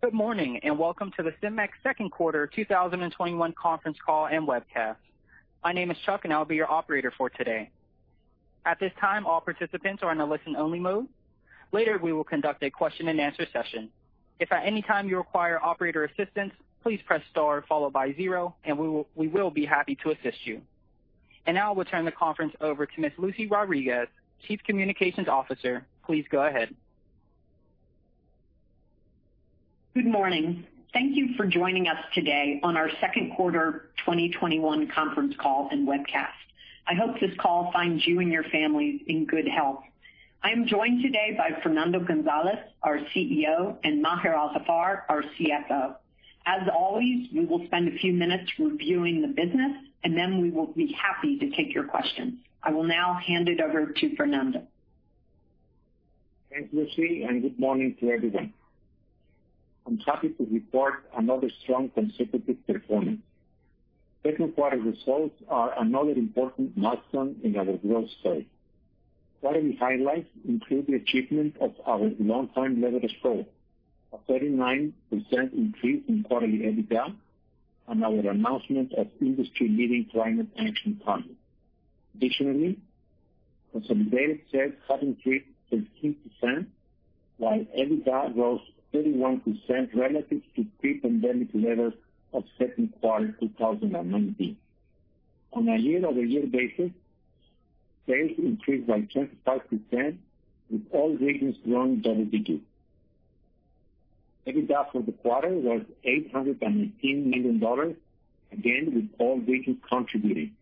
Good morning, and welcome to the CEMEX second quarter 2021 conference call and webcast. My name is Chuck and I'll be your operator for today. At this time, all participants are in a listen-only mode. Later, we will conduct a question-and-answer session. If at any time you require operator assistance, please press star followed zero, and we will be happy to assist you. Now we'll turn the conference over to Ms. Lucy Rodriguez, Chief Communications Officer. Please go ahead. Good morning? Thank you for joining us today on our second quarter 2021 conference call and webcast. I hope this call finds you and your family in good health. I'm joined today by Fernando González, our CEO and Maher Al-Haffar, our CFO. As always, we will spend a few minutes reviewing the business, and then we will be happy to take your questions. I will now hand it over to Fernando. Thanks, Lucy. Good morning to everyone. I'm happy to report another strong consecutive performance. Second quarter results are another important milestone in our growth story. Quarterly highlights include the achievement of our long-time leverage goal, a 39% increase in quarterly EBITDA, and our announcement of industry-leading climate action targets. Additionally, consolidated sales have increased 13%, while EBITDA rose 31% relative to pre-pandemic levels of second quarter 2019. On a year-over-year basis, sales increased by 25%, with all regions growing double digits. EBITDA for the quarter was $818 million, again, with all regions contributing.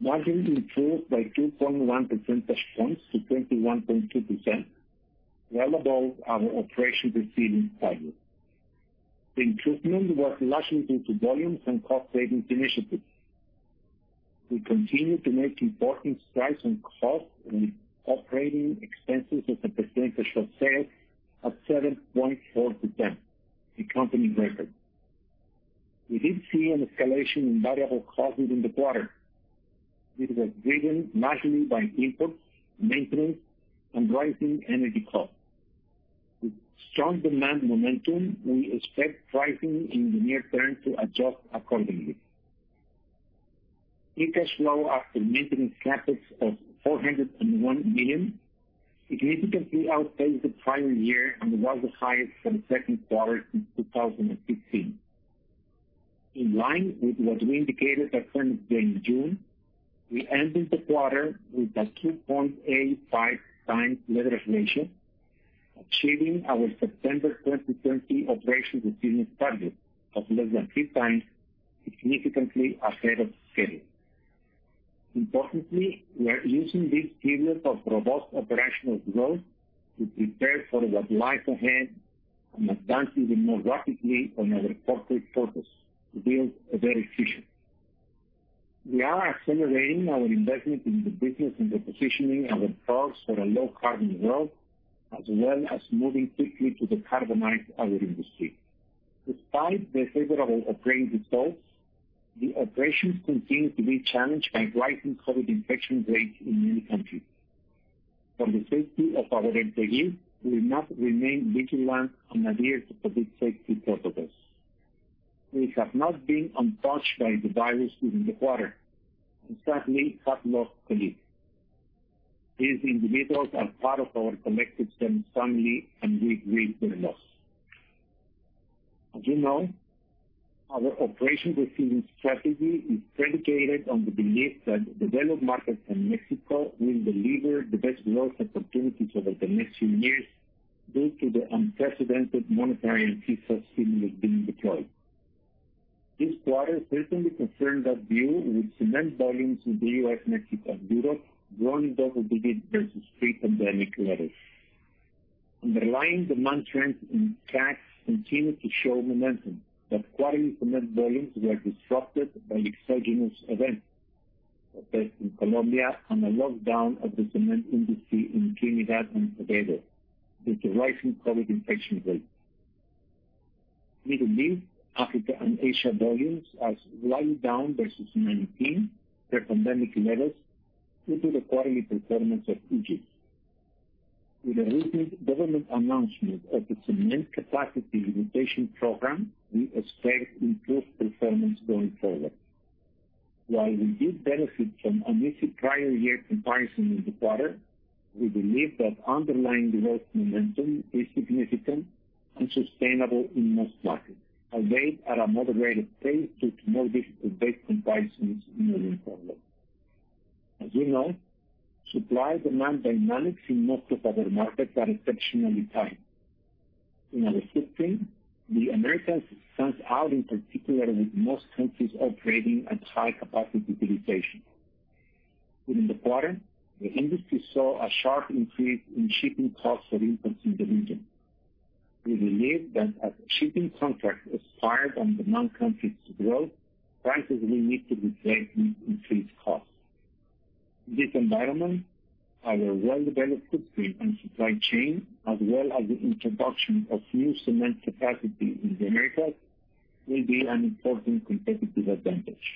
Margin improved by 2.1 percentage points to 21.2%, well above our operational ceiling target. The improvement was largely due to volumes and cost-savings initiatives. We continue to make important strides in costs, with operating expenses as a percentage of sales at 7.4%, a company record. We did see an escalation in variable costs within the quarter. These were driven largely by imports, maintenance, and rising energy costs. With strong demand momentum, we expect pricing in the near term to adjust accordingly. Free cash flow after maintenance CapEx of $401 million significantly outpaced the prior year and was the highest for the second quarter since 2016. In line with what we indicated at earnings day in June, we ended the quarter with a 2.85x leverage ratio, achieving our September 2020 operational ceiling target of less than 3x, significantly ahead of schedule. Importantly, we are using this period of robust operational growth to prepare for what lies ahead and advancing more rapidly on our corporate focus to build a better future. We are accelerating our investment in the business and repositioning our products for a low-carbon world, as well as moving quickly to decarbonize our industry. Despite the favorable operating results, the operations continue to be challenged by rising COVID infection rates in many countries. For the safety of our employees, we must remain vigilant and adhere to public safety protocols. We have not been untouched by the virus within the quarter and sadly have lost colleagues. These individuals are part of our collective CEMEX family, and we grieve their loss. As you know, our operational ceiling strategy is predicated on the belief that developed markets in Mexico will deliver the best growth opportunities over the next few years due to the unprecedented monetary and fiscal stimulus being deployed. This quarter certainly confirmed that view, with cement volumes in the U.S., Mexico, and Europe growing double digits versus pre-pandemic levels. Underlying demand trends in SCAC continued to show momentum, but quarterly cement volumes were disrupted by exogenous events, both in Colombia and the lockdown of the cement industry in Trinidad and Tobago due to rising COVID infection rates. Middle East, Africa, and Asia volumes are slightly down versus 2019 pre-pandemic levels due to the quarterly performance of Egypt. With the recent government announcement of the cement capacity limitation program, we expect improved performance going forward. While we did benefit from an easy prior year comparison in the quarter, we believe that underlying growth momentum is significant and sustainable in most markets, albeit at a moderated pace due to more difficult base comparisons in the near term. As you know, supply-demand dynamics in most of our markets are exceptionally tight. In our footprint, the Americas stands out, in particular, with most countries operating at high capacity utilization. Within the quarter, the industry saw a sharp increase in shipping costs for imports in the region. We believe that as shipping contracts expire and demand continues to grow, prices will need to reflect increased costs. In this environment, our well-developed footprint and supply chain, as well as the introduction of new cement capacity in the Americas, will be an important competitive advantage.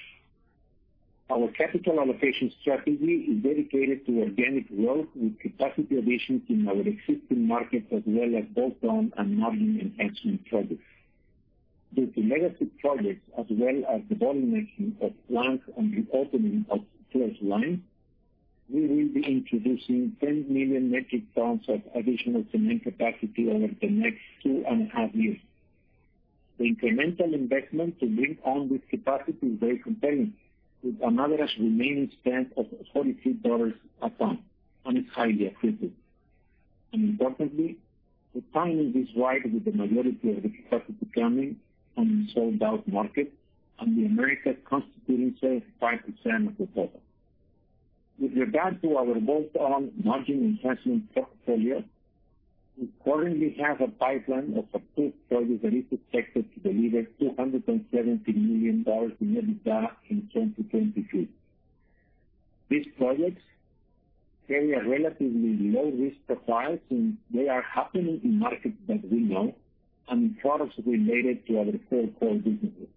Our capital allocation strategy is dedicated to organic growth with capacity additions in our existing markets, as well as bolt-on and margin enhancement projects. With the legacy projects as well as the modernization of plants and the opening of closed lines, we will be introducing 10 million metric tons of additional cement capacity over the next two and a half years. The incremental investment to bring on this capacity is very compelling, with an average remaining spend of $43 a ton and is highly accretive. Importantly, the timing is right with the majority of the capacity coming on sold out markets and the Americas constituting 75% of the total. With regard to our bolt-on margin enhancement portfolio, we currently have a pipeline of approved projects that is expected to deliver $270 million in EBITDA in 2023. These projects carry a relatively low risk profile since they are happening in markets that we know and in products related to our core businesses.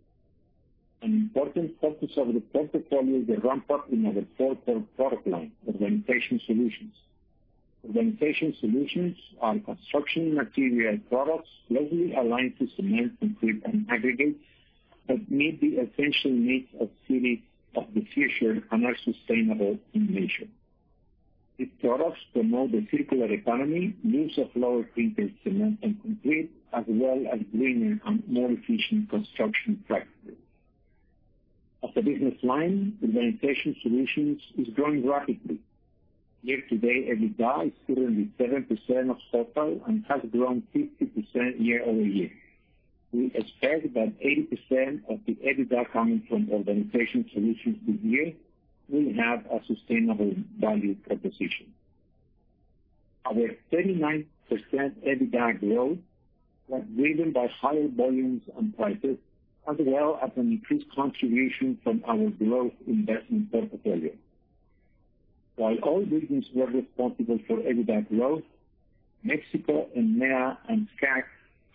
An important focus of the portfolio is the ramp-up in our fourth product line, Urbanization Solutions. Urbanization Solutions are construction material products closely aligned to cement, concrete and aggregates that meet the essential needs of cities of the future and are sustainable in nature. These products promote the circular economy, use of lower footprint cement and concrete, as well as greener and more efficient construction practices. As a business line, Urbanization Solutions is growing rapidly. Year-to-date, EBITDA is currently 7% of total and has grown 50% year-over-year. We expect that 80% of the EBITDA coming from Urbanization Solutions this year will have a sustainable value proposition. Our 39% EBITDA growth was driven by higher volumes and prices, as well as an increased contribution from our growth investment portfolio. While all regions were responsible for EBITDA growth, Mexico and MEA and SCAC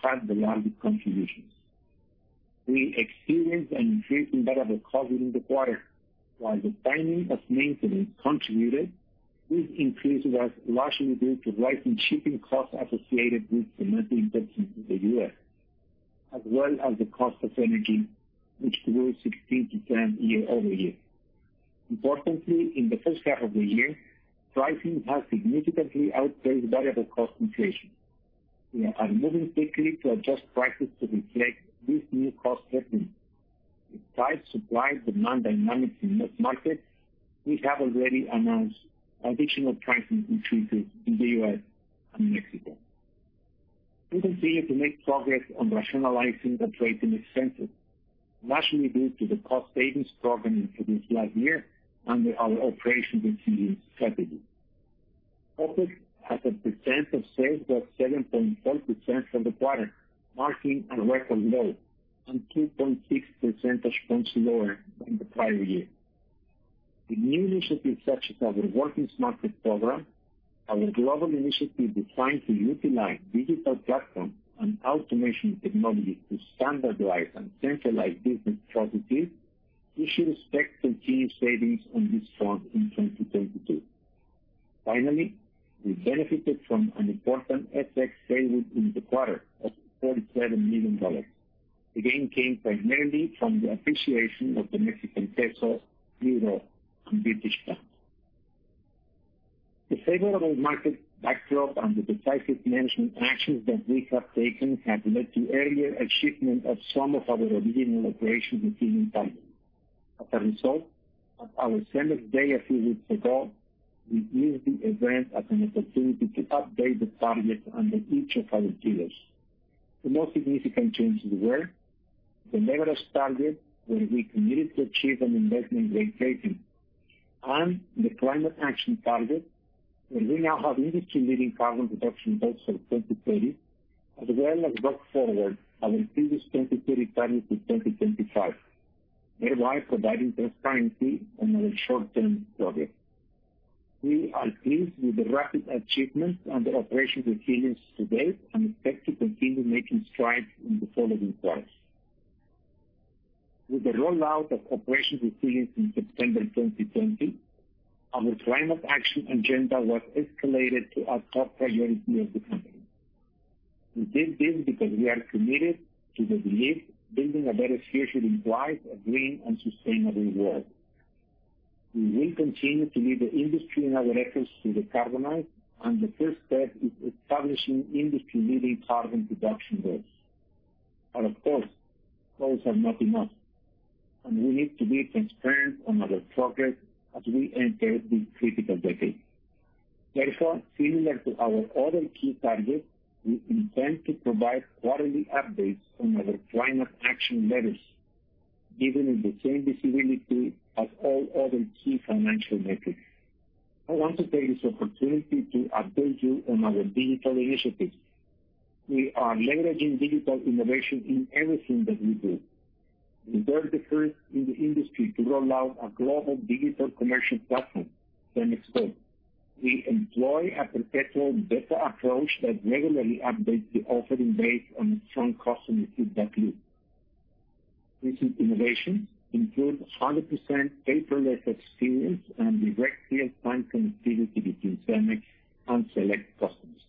had the largest contributions. We experienced an increase in variable cost during the quarter. While the timing of maintenance contributed, this increase was largely due to rising shipping costs associated with cement imports into the U.S., as well as the cost of energy, which grew 16% year-over-year. Importantly, in the first half of the year, pricing has significantly outpaced variable cost inflation. We are moving quickly to adjust prices to reflect these new cost trends. Despite supply and demand dynamics in most markets, we have already announced additional pricing increases in the U.S. and Mexico. We continue to make progress on rationalizing administrative expenses, largely due to the cost savings program introduced last year under our Operation Resilience strategy. OpEx as a percent of sales was 7.4% for the quarter, marking a record low and 2.6 percentage points lower than the prior year. The new initiatives such as our Working Smarter program, our global initiative designed to utilize digital platforms and automation technologies to standardize and centralize business processes, we should expect continued savings on this front in 2022. Finally, we benefited from an important FX favor in the quarter of $47 million. The gain came primarily from the appreciation of the Mexican peso, euro, and British pound. The favorable market backdrop and the decisive management actions that we have taken have led to earlier achievement of some of our original Operation Resilience targets. At our analyst day a few weeks ago, we used the event as an opportunity to update the targets under each of our pillars. The most significant changes were the leverage target, where we committed to achieve an investment grade rating, and the climate action target, where we now have industry leading carbon reduction goals for 2030, as well as brought forward our previous 2030 target to 2025, thereby providing transparency on our short-term progress. We are pleased with the rapid achievement under Operation Resilience to date and expect to continue making strides in the following quarters. With the rollout of Operation Resilience in September 2020, our climate action agenda was escalated to a top priority of the company. We did this because we are committed to the belief building a better future implies a green and sustainable world. We will continue to lead the industry in our efforts to decarbonize, the first step is establishing industry leading carbon reduction goals. Of course, goals are not enough, we need to be transparent on our progress as we enter this critical decade. Therefore, similar to our other key targets, we intend to provide quarterly updates on our climate action metrics, giving it the same visibility as all other key financial metrics. I want to take this opportunity to update you on our digital initiatives. We are leveraging digital innovation in everything that we do. We were the first in the industry to roll out a global digital commercial platform, CEMEX Go. We employ a perpetual beta approach that regularly updates the offering based on strong customer feedback loop. Recent innovations include 100% paperless experience and direct real-time connectivity between CEMEX and select customers.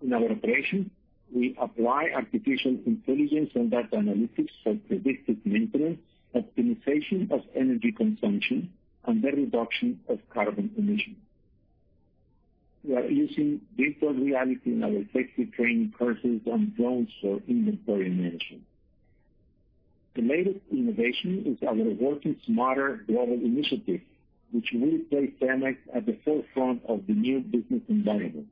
In our operations, we apply artificial intelligence and data analytics for predictive maintenance, optimization of energy consumption, and the reduction of carbon emission. We are using digital reality in our safety training courses on drones for inventory management. The latest innovation is our Working Smarter global initiative, which will place CEMEX at the forefront of the new business environment.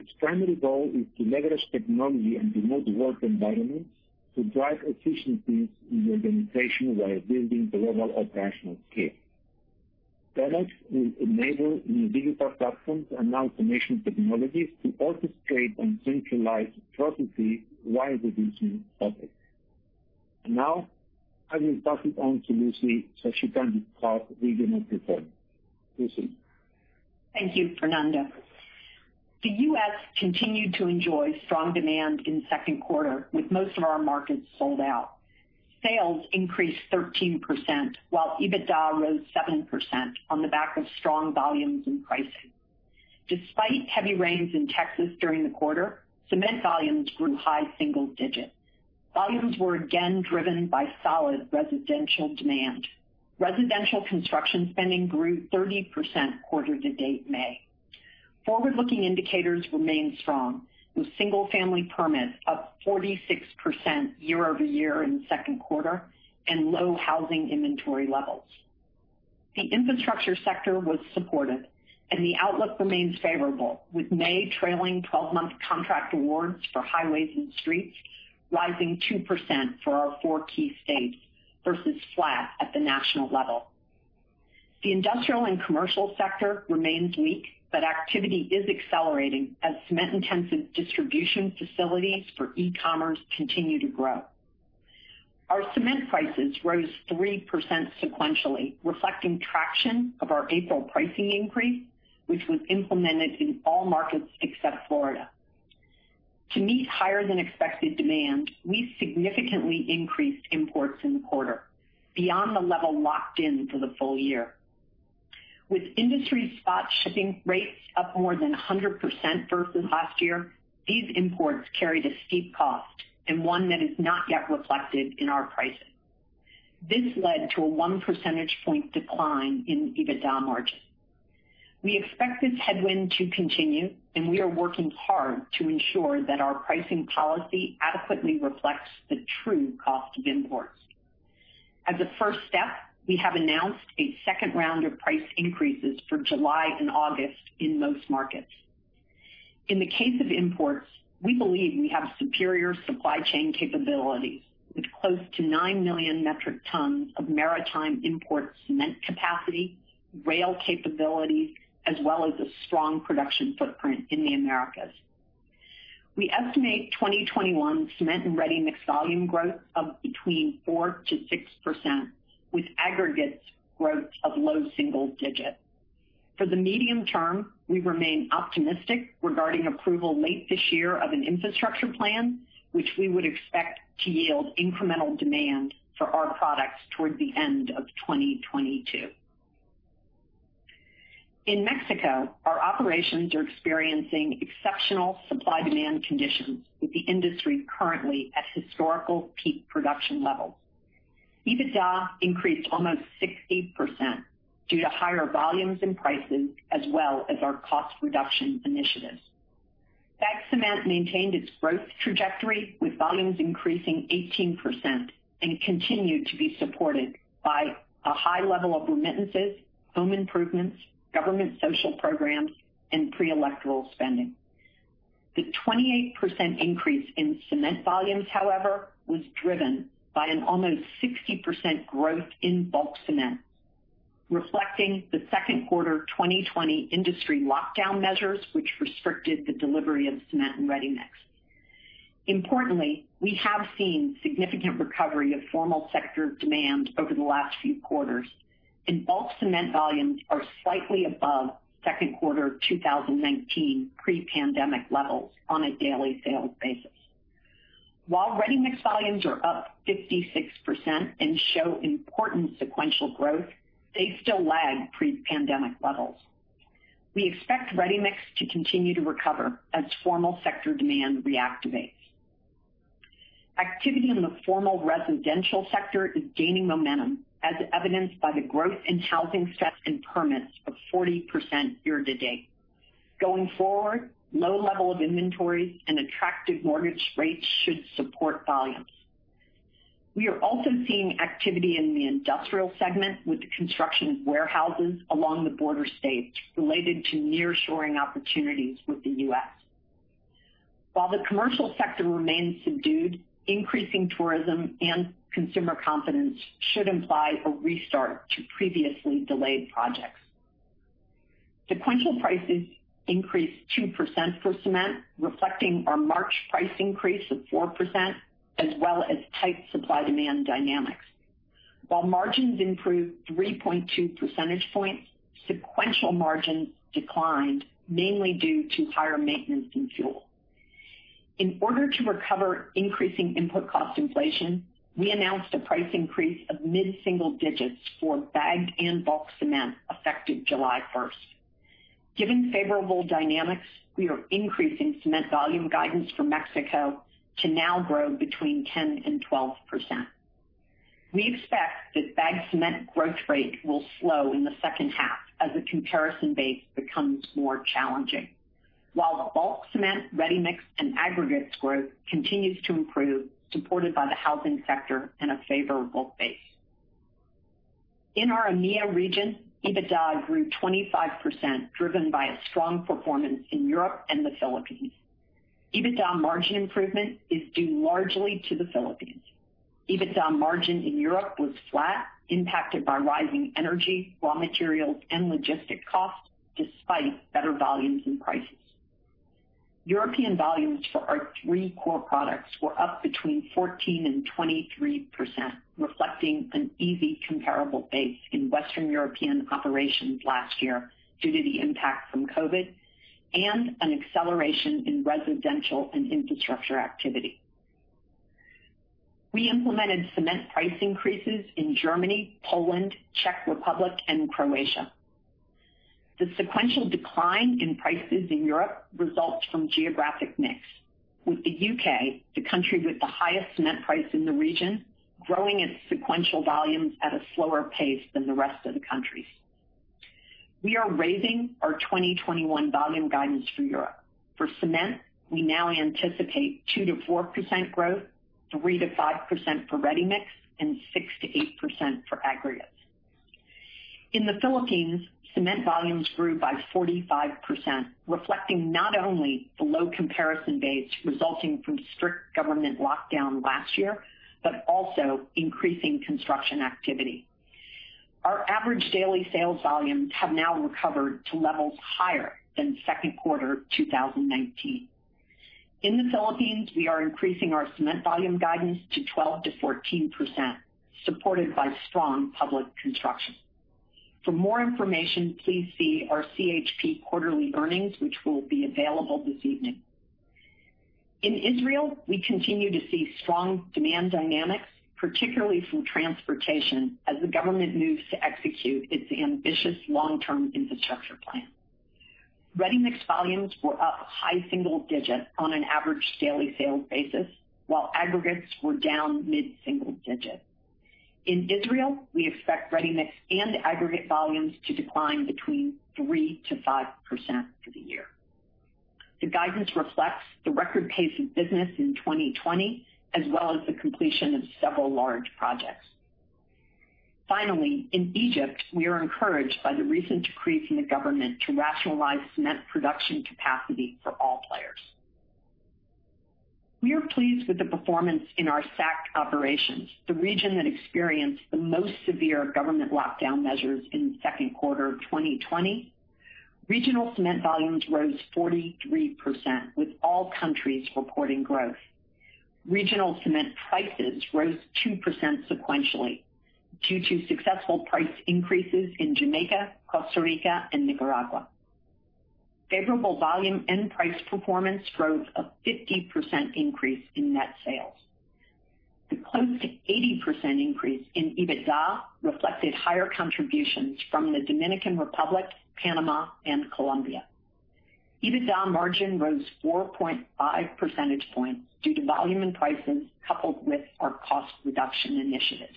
Its primary goal is to leverage technology and remote work environments to drive efficiencies in the organization while building global operational scale. CEMEX will enable new digital platforms and automation technologies to orchestrate and centralize processes while reducing CapEx. Now, I will pass it on to Lucy so she can discuss regional performance. Lucy? Thank you, Fernando. The U.S. continued to enjoy strong demand in second quarter, with most of our markets sold out. Sales increased 13%, while EBITDA rose 7% on the back of strong volumes and pricing. Despite heavy rains in Texas during the quarter, cement volumes grew high single-digit. Volumes were again driven by solid residential demand. Residential construction spending grew 30% quarter-to-date May. Forward-looking indicators remain strong, with single-family permits up 46% year-over-year in the second quarter and low housing inventory levels. The infrastructure sector was supportive and the outlook remains favorable, with May trailing 12-month contract awards for highways and streets rising 2% for our four key states versus flat at the national level. The industrial and commercial sector remains weak, but activity is accelerating as cement-intensive distribution facilities for e-commerce continue to grow. Our cement prices rose 3% sequentially, reflecting traction of our April pricing increase, which was implemented in all markets except Florida. To meet higher than expected demand, we significantly increased imports in the quarter beyond the level locked in for the full year. With industry spot shipping rates up more than 100% versus last year, these imports carried a steep cost and one that is not yet reflected in our pricing. This led to a one percentage point decline in EBITDA margin. We expect this headwind to continue, and we are working hard to ensure that our pricing policy adequately reflects the true cost of imports. As a first step, we have announced a second round of price increases for July and August in most markets. In the case of imports, we believe we have superior supply chain capabilities with close to nine million metric tons of maritime import cement capacity, rail capabilities, as well as a strong production footprint in the Americas. We estimate 2021 cement and ready-mix volume growth of between 4%-6%, with aggregates growth of low single digits. For the medium term, we remain optimistic regarding approval late this year of an infrastructure plan, which we would expect to yield incremental demand for our products towards the end of 2022. In Mexico, our operations are experiencing exceptional supply-demand conditions, with the industry currently at historical peak production levels. EBITDA increased almost 60% due to higher volumes and prices as well as our cost reduction initiatives. Bag cement maintained its growth trajectory, with volumes increasing 18% and continued to be supported by a high level of remittances, home improvements, government social programs, and pre-electoral spending. The 28% increase in cement volumes, however, was driven by an almost 60% growth in bulk cement, reflecting the second quarter 2020 industry lockdown measures which restricted the delivery of cement and ready-mix. Importantly, we have seen significant recovery of formal sector demand over the last few quarters, and bulk cement volumes are slightly above second quarter 2019 pre-pandemic levels on a daily sales basis. While ready-mix volumes are up 56% and show important sequential growth, they still lag pre-pandemic levels. We expect ready-mix to continue to recover as formal sector demand reactivates. Activity in the formal residential sector is gaining momentum, as evidenced by the growth in housing starts and permits of 40% year-to-date. Going forward, low level of inventories and attractive mortgage rates should support volumes. We are also seeing activity in the industrial segment with the construction of warehouses along the border states related to near shoring opportunities with the U.S. While the commercial sector remains subdued, increasing tourism and consumer confidence should imply a restart to previously delayed projects. Sequential prices increased 2% for cement, reflecting our March price increase of 4%, as well as tight supply-demand dynamics. While margins improved 3.2 percentage points, sequential margins declined mainly due to higher maintenance and fuel. In order to recover increasing input cost inflation, we announced a price increase of mid-single digits for bagged and bulk cement effective July first. Given favorable dynamics, we are increasing cement volume guidance for Mexico to now grow between 10%-12%. We expect that bagged cement growth rate will slow in the second half as the comparison base becomes more challenging. While the bulk cement ready-mix and aggregates growth continues to improve, supported by the housing sector and a favorable base. In our EMEA region, EBITDA grew 25%, driven by a strong performance in Europe and the Philippines. EBITDA margin improvement is due largely to the Philippines. EBITDA margin in Europe was flat, impacted by rising energy, raw materials and logistic costs despite better volumes and prices. European volumes for our three core products were up between 14%-23%, reflecting an easy comparable base in Western European operations last year due to the impact from COVID and an acceleration in residential and infrastructure activity. We implemented cement price increases in Germany, Poland, Czech Republic and Croatia. The sequential decline in prices in Europe results from geographic mix, with the U.K., the country with the highest cement price in the region, growing its sequential volumes at a slower pace than the rest of the countries. We are raising our 2021 volume guidance for Europe. For cement, we now anticipate 2%-4% growth, 3%-5% for ready-mix and 6%-8% for aggregates. In the Philippines, cement volumes grew by 45%, reflecting not only the low comparison base resulting from strict government lockdown last year, but also increasing construction activity. Our average daily sales volumes have now recovered to levels higher than second quarter 2019. In the Philippines, we are increasing our cement volume guidance to 12%-14%, supported by strong public construction. For more information, please see our CHP quarterly earnings, which will be available this evening. In Israel, we continue to see strong demand dynamics, particularly from transportation, as the government moves to execute its ambitious long-term infrastructure plan. Ready-mix volumes were up high single digits on an average daily sales basis, while aggregates were down mid-single digits. In Israel, we expect ready-mix and aggregate volumes to decline between 3%-5% for the year. The guidance reflects the record pace of business in 2020, as well as the completion of several large projects. Finally, in Egypt, we are encouraged by the recent decree from the government to rationalize cement production capacity for all players. We are pleased with the performance in our SCAC operations, the region that experienced the most severe government lockdown measures in 2Q 2020. Regional cement volumes rose 43%, with all countries reporting growth. Regional cement prices rose 2% sequentially due to successful price increases in Jamaica, Costa Rica and Nicaragua. Favorable volume and price performance drove a 50% increase in net sales. The close to 80% increase in EBITDA reflected higher contributions from the Dominican Republic, Panama and Colombia. EBITDA margin rose 4.5 percentage points due to volume and prices coupled with our cost reduction initiatives.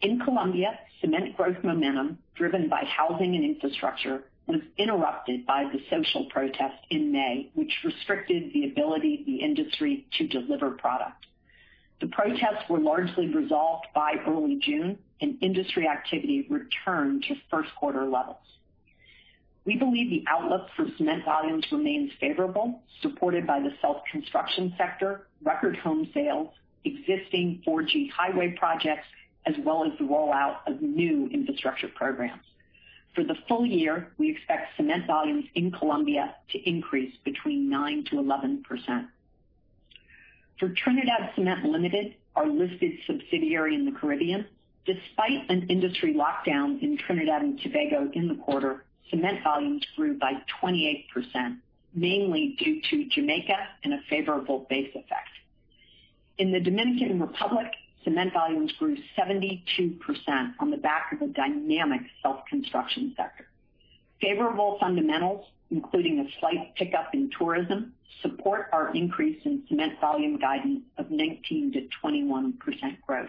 In Colombia, cement growth momentum driven by housing and infrastructure was interrupted by the social protests in May, which restricted the ability of the industry to deliver product. The protests were largely resolved by early June and industry activity returned to first quarter levels. We believe the outlook for cement volumes remains favorable, supported by the self-construction sector, record home sales, existing 4G highway projects, as well as the rollout of new infrastructure programs. For the full year, we expect cement volumes in Colombia to increase between 9%-11%. For Trinidad Cement Limited, our listed subsidiary in the Caribbean, despite an industry lockdown in Trinidad and Tobago in the quarter, cement volumes grew by 28%, mainly due to Jamaica and a favorable base effect. In the Dominican Republic, cement volumes grew 72% on the back of a dynamic self-construction sector. Favorable fundamentals, including a slight pickup in tourism, support our increase in cement volume guidance of 19%-21% growth.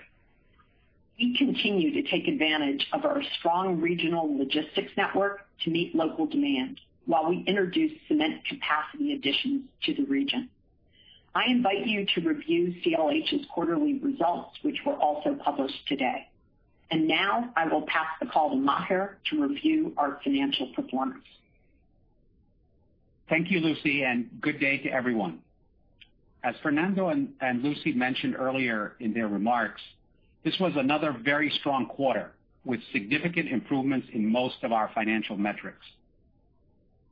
We continue to take advantage of our strong regional logistics network to meet local demand while we introduce cement capacity additions to the region. I invite you to review CLH's quarterly results, which were also published today. Now I will pass the call to Maher to review our financial performance. Thank you, Lucy, and good day to everyone. As Fernando and Lucy mentioned earlier in their remarks, this was another very strong quarter with significant improvements in most of our financial metrics.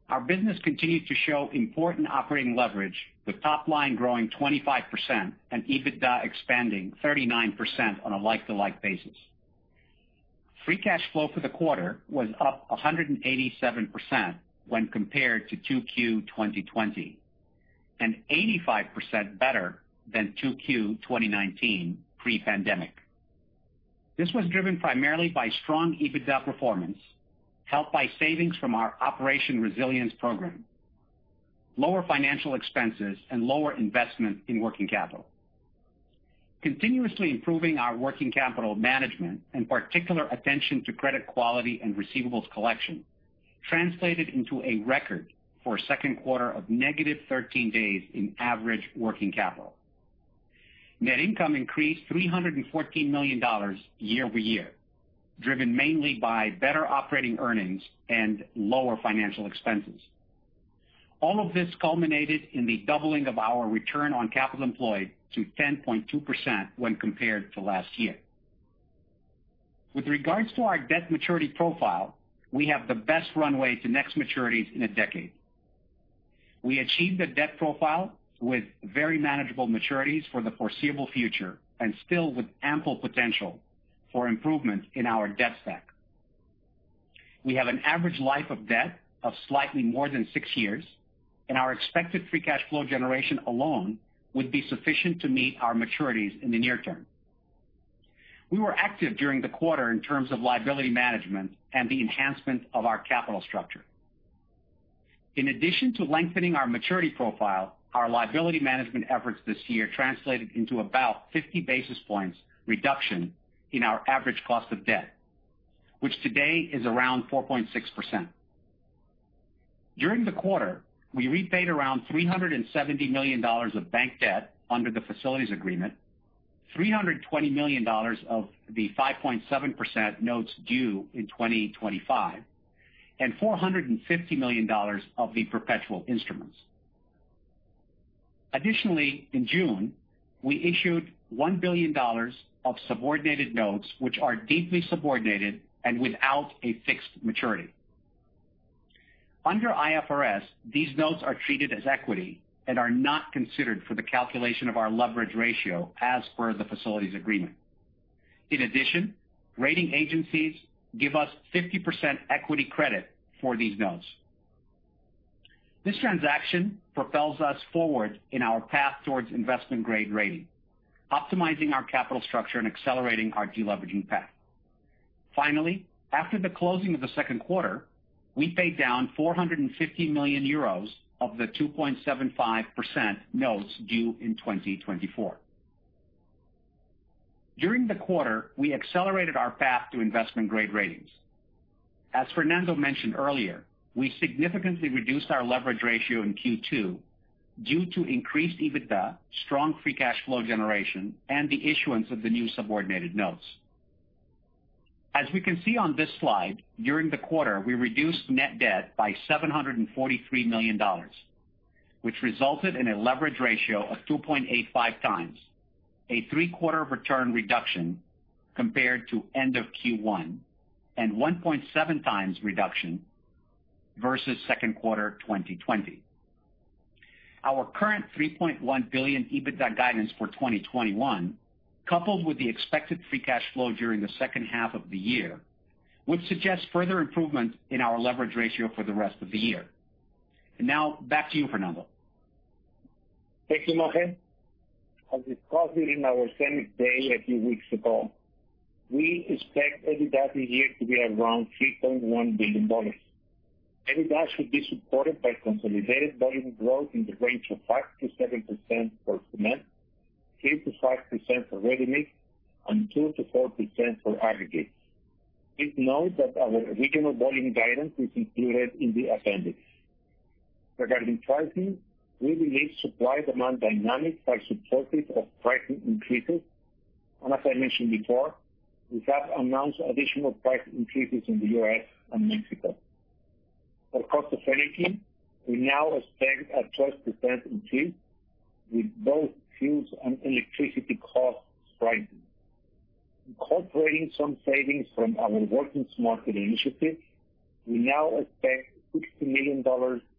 Our business continues to show important operating leverage, with top line growing 25% and EBITDA expanding 39% on a like-to-like basis. Free cash flow for the quarter was up 187% when compared to 2Q 2020, and 85% better than 2Q 2019 pre-pandemic. This was driven primarily by strong EBITDA performance, helped by savings from our Operation Resilience program, lower financial expenses and lower investment in working capital. Continuously improving our working capital management and particular attention to credit quality and receivables collection translated into a record for a second quarter of -13 days in average working capital. Net income increased $314 million year-over-year, driven mainly by better operating earnings and lower financial expenses. All of this culminated in the doubling of our return on capital employed to 10.2% when compared to last year. With regards to our debt maturity profile, we have the best runway to next maturities in a decade. We achieved a debt profile with very manageable maturities for the foreseeable future and still with ample potential for improvement in our debt stack. We have an average life of debt of slightly more than six years, and our expected free cash flow generation alone would be sufficient to meet our maturities in the near term. We were active during the quarter in terms of liability management and the enhancement of our capital structure. In addition to lengthening our maturity profile, our liability management efforts this year translated into about 50 basis points reduction in our average cost of debt, which today is around 4.6%. During the quarter, we repaid around $370 million of bank debt under the facilities agreement, $320 million of the 5.7% notes due in 2025, and $450 million of the perpetual instruments. In June, we issued $1 billion of subordinated notes, which are deeply subordinated and without a fixed maturity. Under IFRS, these notes are treated as equity and are not considered for the calculation of our leverage ratio as per the facilities agreement. Rating agencies give us 50% equity credit for these notes. This transaction propels us forward in our path towards investment-grade rating, optimizing our capital structure and accelerating our deleveraging path. After the closing of the second quarter, we paid down 450 million euros of the 2.75% notes due in 2024. During the quarter, we accelerated our path to investment-grade ratings. As Fernando mentioned earlier, we significantly reduced our leverage ratio in Q2 due to increased EBITDA, strong free cash flow generation, and the issuance of the new subordinated notes. As we can see on this slide, during the quarter, we reduced net debt by $743 million, which resulted in a leverage ratio of 2.85x, a 3/4 return reduction compared to end of Q1 and 1.7x reduction versus second quarter 2020. Our current $3.1 billion EBITDA guidance for 2021, coupled with the expected free cash flow during the second half of the year, would suggest further improvement in our leverage ratio for the rest of the year. Now back to you, Fernando. Thank you, Maher. As we've covered in our CEMEX Day a few weeks ago, we expect EBITDA this year to be around $3.1 billion. EBITDA should be supported by consolidated volume growth in the range of 5%-7% for cement, 3%-5% for ready-mix, and 2%-4% for aggregates. Please note that our regional volume guidance is included in the appendix. Regarding pricing, we believe supply-demand dynamics are supportive of pricing increases, and as I mentioned before, we have announced additional price increases in the U.S. and Mexico. For cost of energy, we now expect a 12% increase with both fuels and electricity costs rising. Incorporating some savings from our Working Smarter initiative, we now expect $60 million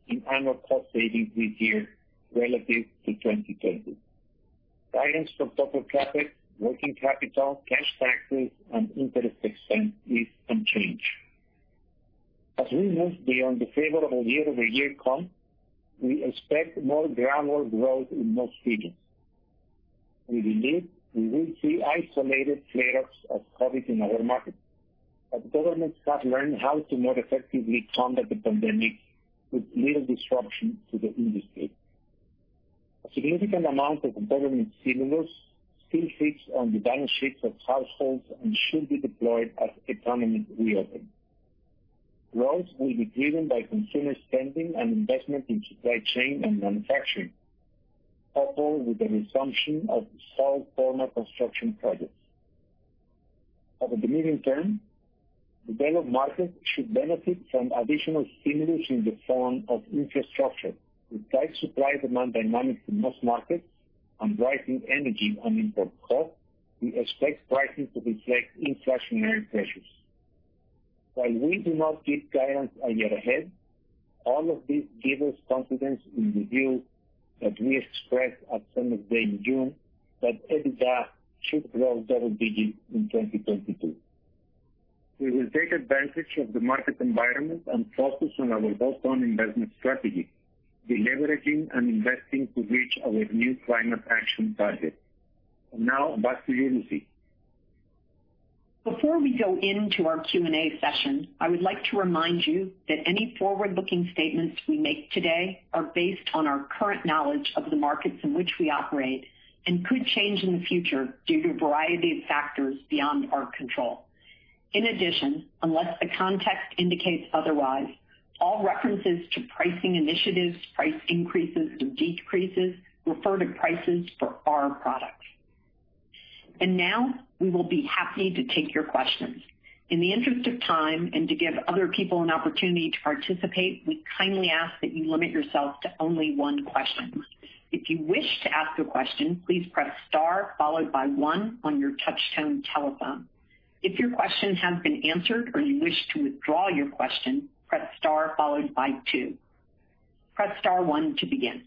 in annual cost savings this year relative to 2020. Guidance for CapEx, working capital, cash taxes and interest expense is unchanged. As we move beyond the favorable year-over-year comp, we expect more groundwork growth in most regions. We believe we will see isolated flare-ups of COVID in our markets. Governments have learned how to more effectively combat the pandemic with little disruption to the industry. A significant amount of government stimulus still sits on the balance sheets of households and should be deployed as economies reopen. Growth will be driven by consumer spending and investment in supply chain and manufacturing, coupled with the resumption of solid former construction projects. Over the medium term, developed markets should benefit from additional stimulus in the form of infrastructure with tight supply-demand dynamics in most markets. Rising energy and import costs, we expect pricing to reflect inflationary pressures. While we do not give guidance a year ahead, all of this give us confidence in the view that we expressed at earnings day in June that EBITDA should grow double-digits in 2022. We will take advantage of the market environment and focus on our bolt-on investment strategy, deleveraging and investing to reach our new climate action target. Now back to you, Lucy. Before we go into our Q&A session, I would like to remind you that any forward-looking statements we make today are based on our current knowledge of the markets in which we operate and could change in the future due to a variety of factors beyond our control. In addition, unless the context indicates otherwise, all references to pricing initiatives, price increases or decreases refer to prices for our products. Now, we will be happy to take your questions. In the interest of time and to give other people an opportunity to participate, we kindly ask that you limit yourself to only one question. If you wish to ask a question, please press star followed by one on your touchtone telephone. If your question has been answered or you wish to withdraw your question, press star followed by two. Press star one to begin.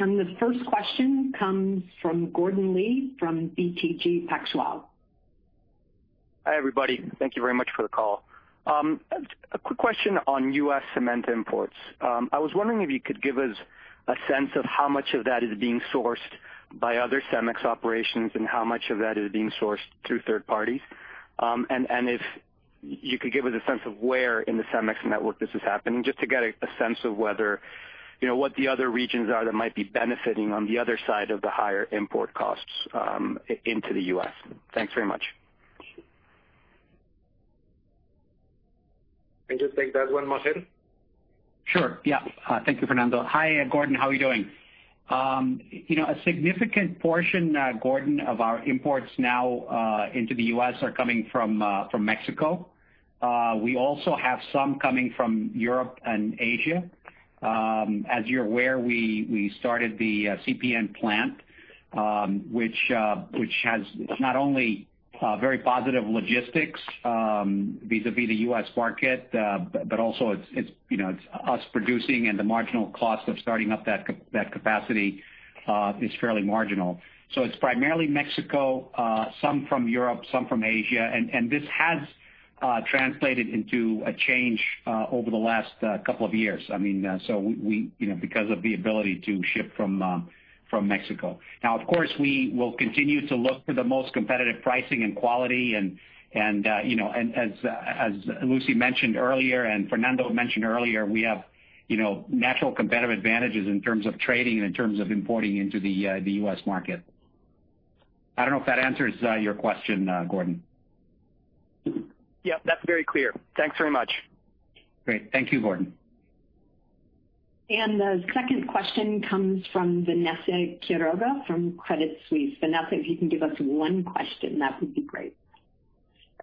The first question comes from Gordon Lee from BTG Pactual. Hi, everybody? Thank you very much for the call. A quick question on U.S. cement imports. I was wondering if you could give us a sense of how much of that is being sourced by other CEMEX operations and how much of that is being sourced through third parties. If you could give us a sense of where in the CEMEX network this is happening, just to get a sense of whether, you know, what the other regions are that might be benefiting on the other side of the higher import costs into the U.S. Thanks very much. Can you take that one, Maher? Sure, yeah. Thank you, Fernando. Hi, Gordon, how are you doing? You know, a significant portion, Gordon, of our imports now, into the U.S. are coming from Mexico. We also have some coming from Europe and Asia. As you're aware, we started the CPN plant, which has not only very positive logistics vis-a-vis the U.S. market, but also it's, you know, it's us producing and the marginal cost of starting up that capacity is fairly marginal. It's primarily Mexico, some from Europe, some from Asia, and this has translated into a change over the last couple of years. I mean, we, you know, because of the ability to ship from Mexico. Of course, we will continue to look for the most competitive pricing and quality and, you know, as Lucy mentioned earlier and Fernando mentioned earlier, we have, you know, natural competitive advantages in terms of trading and in terms of importing into the U.S. market. I don't know if that answers your question, Gordon. Yep, that's very clear. Thanks very much. Great. Thank you, Gordon. The second question comes from Vanessa Quiroga from Credit Suisse. Vanessa, if you can give us one question, that would be great.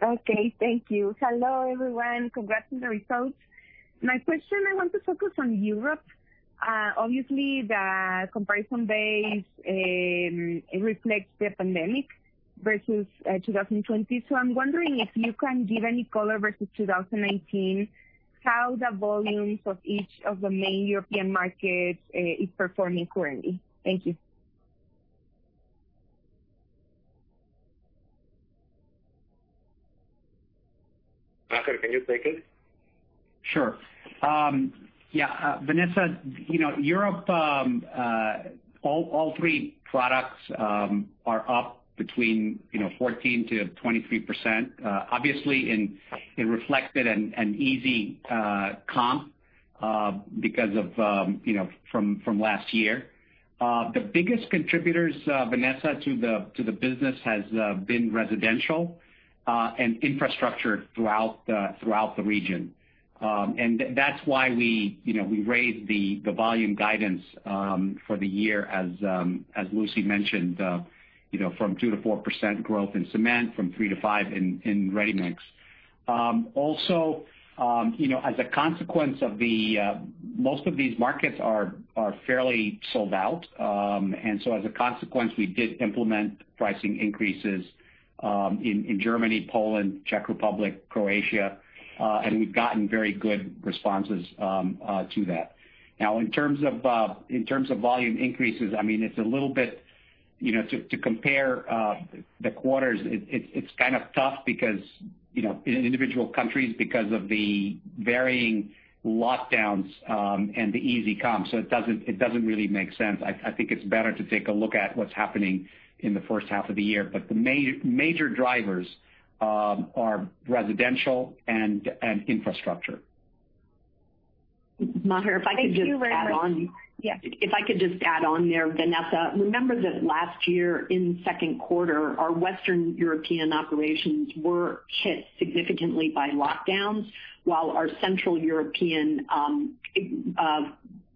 Okay, thank you. Hello, everyone? Congrats on the results. My question, I want to focus on Europe. Obviously, the comparison base reflects the pandemic versus 2020. I'm wondering if you can give any color versus 2019, how the volumes of each of the main European markets is performing currently. Thank you. Maher, can you take it? Sure. Yeah, Vanessa, you know, Europe, all three products are up between, you know, 14%-23%. Obviously in, it reflected an easy comp because of, you know, from last year. The biggest contributors, Vanessa, to the business has been residential and infrastructure throughout the region. That's why we, you know, we raised the volume guidance for the year as Lucy mentioned, you know, from 2%-4% growth in cement, from 3%-5% in ready-mix. Also, you know, as a consequence of the most of these markets are fairly sold out. As a consequence, we did implement pricing increases in Germany, Poland, Czech Republic, Croatia, and we've gotten very good responses to that. Now, in terms of in terms of volume increases, I mean, it's a little bit, you know, to to compare the quarters, it's kind of tough because, you know, in individual countries because of the varying lockdowns and the easy comp, so it doesn't, it doesn't really make sense. I think it's better to take a look at what's happening in the first half of the year. The major drivers are residential and infrastructure. Maher, if I could just add on. Thank you very much. Yeah. If I could just add on there, Vanessa. Remember that last year in second quarter, our Western European operations were hit significantly by lockdowns, while our Central European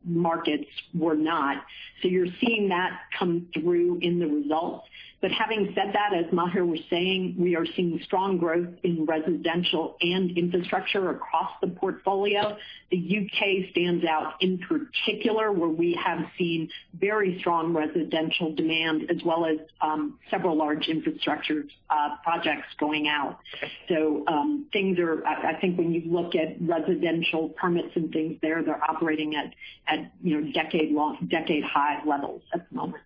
markets were not. You're seeing that come through in the results. Having said that, as Maher was saying, we are seeing strong growth in residential and infrastructure across the portfolio. The U.K. stands out in particular, where we have seen very strong residential demand as well as several large infrastructure projects going out. I think when you look at residential permits and things there, they're operating at, you know, decade high levels at the moment.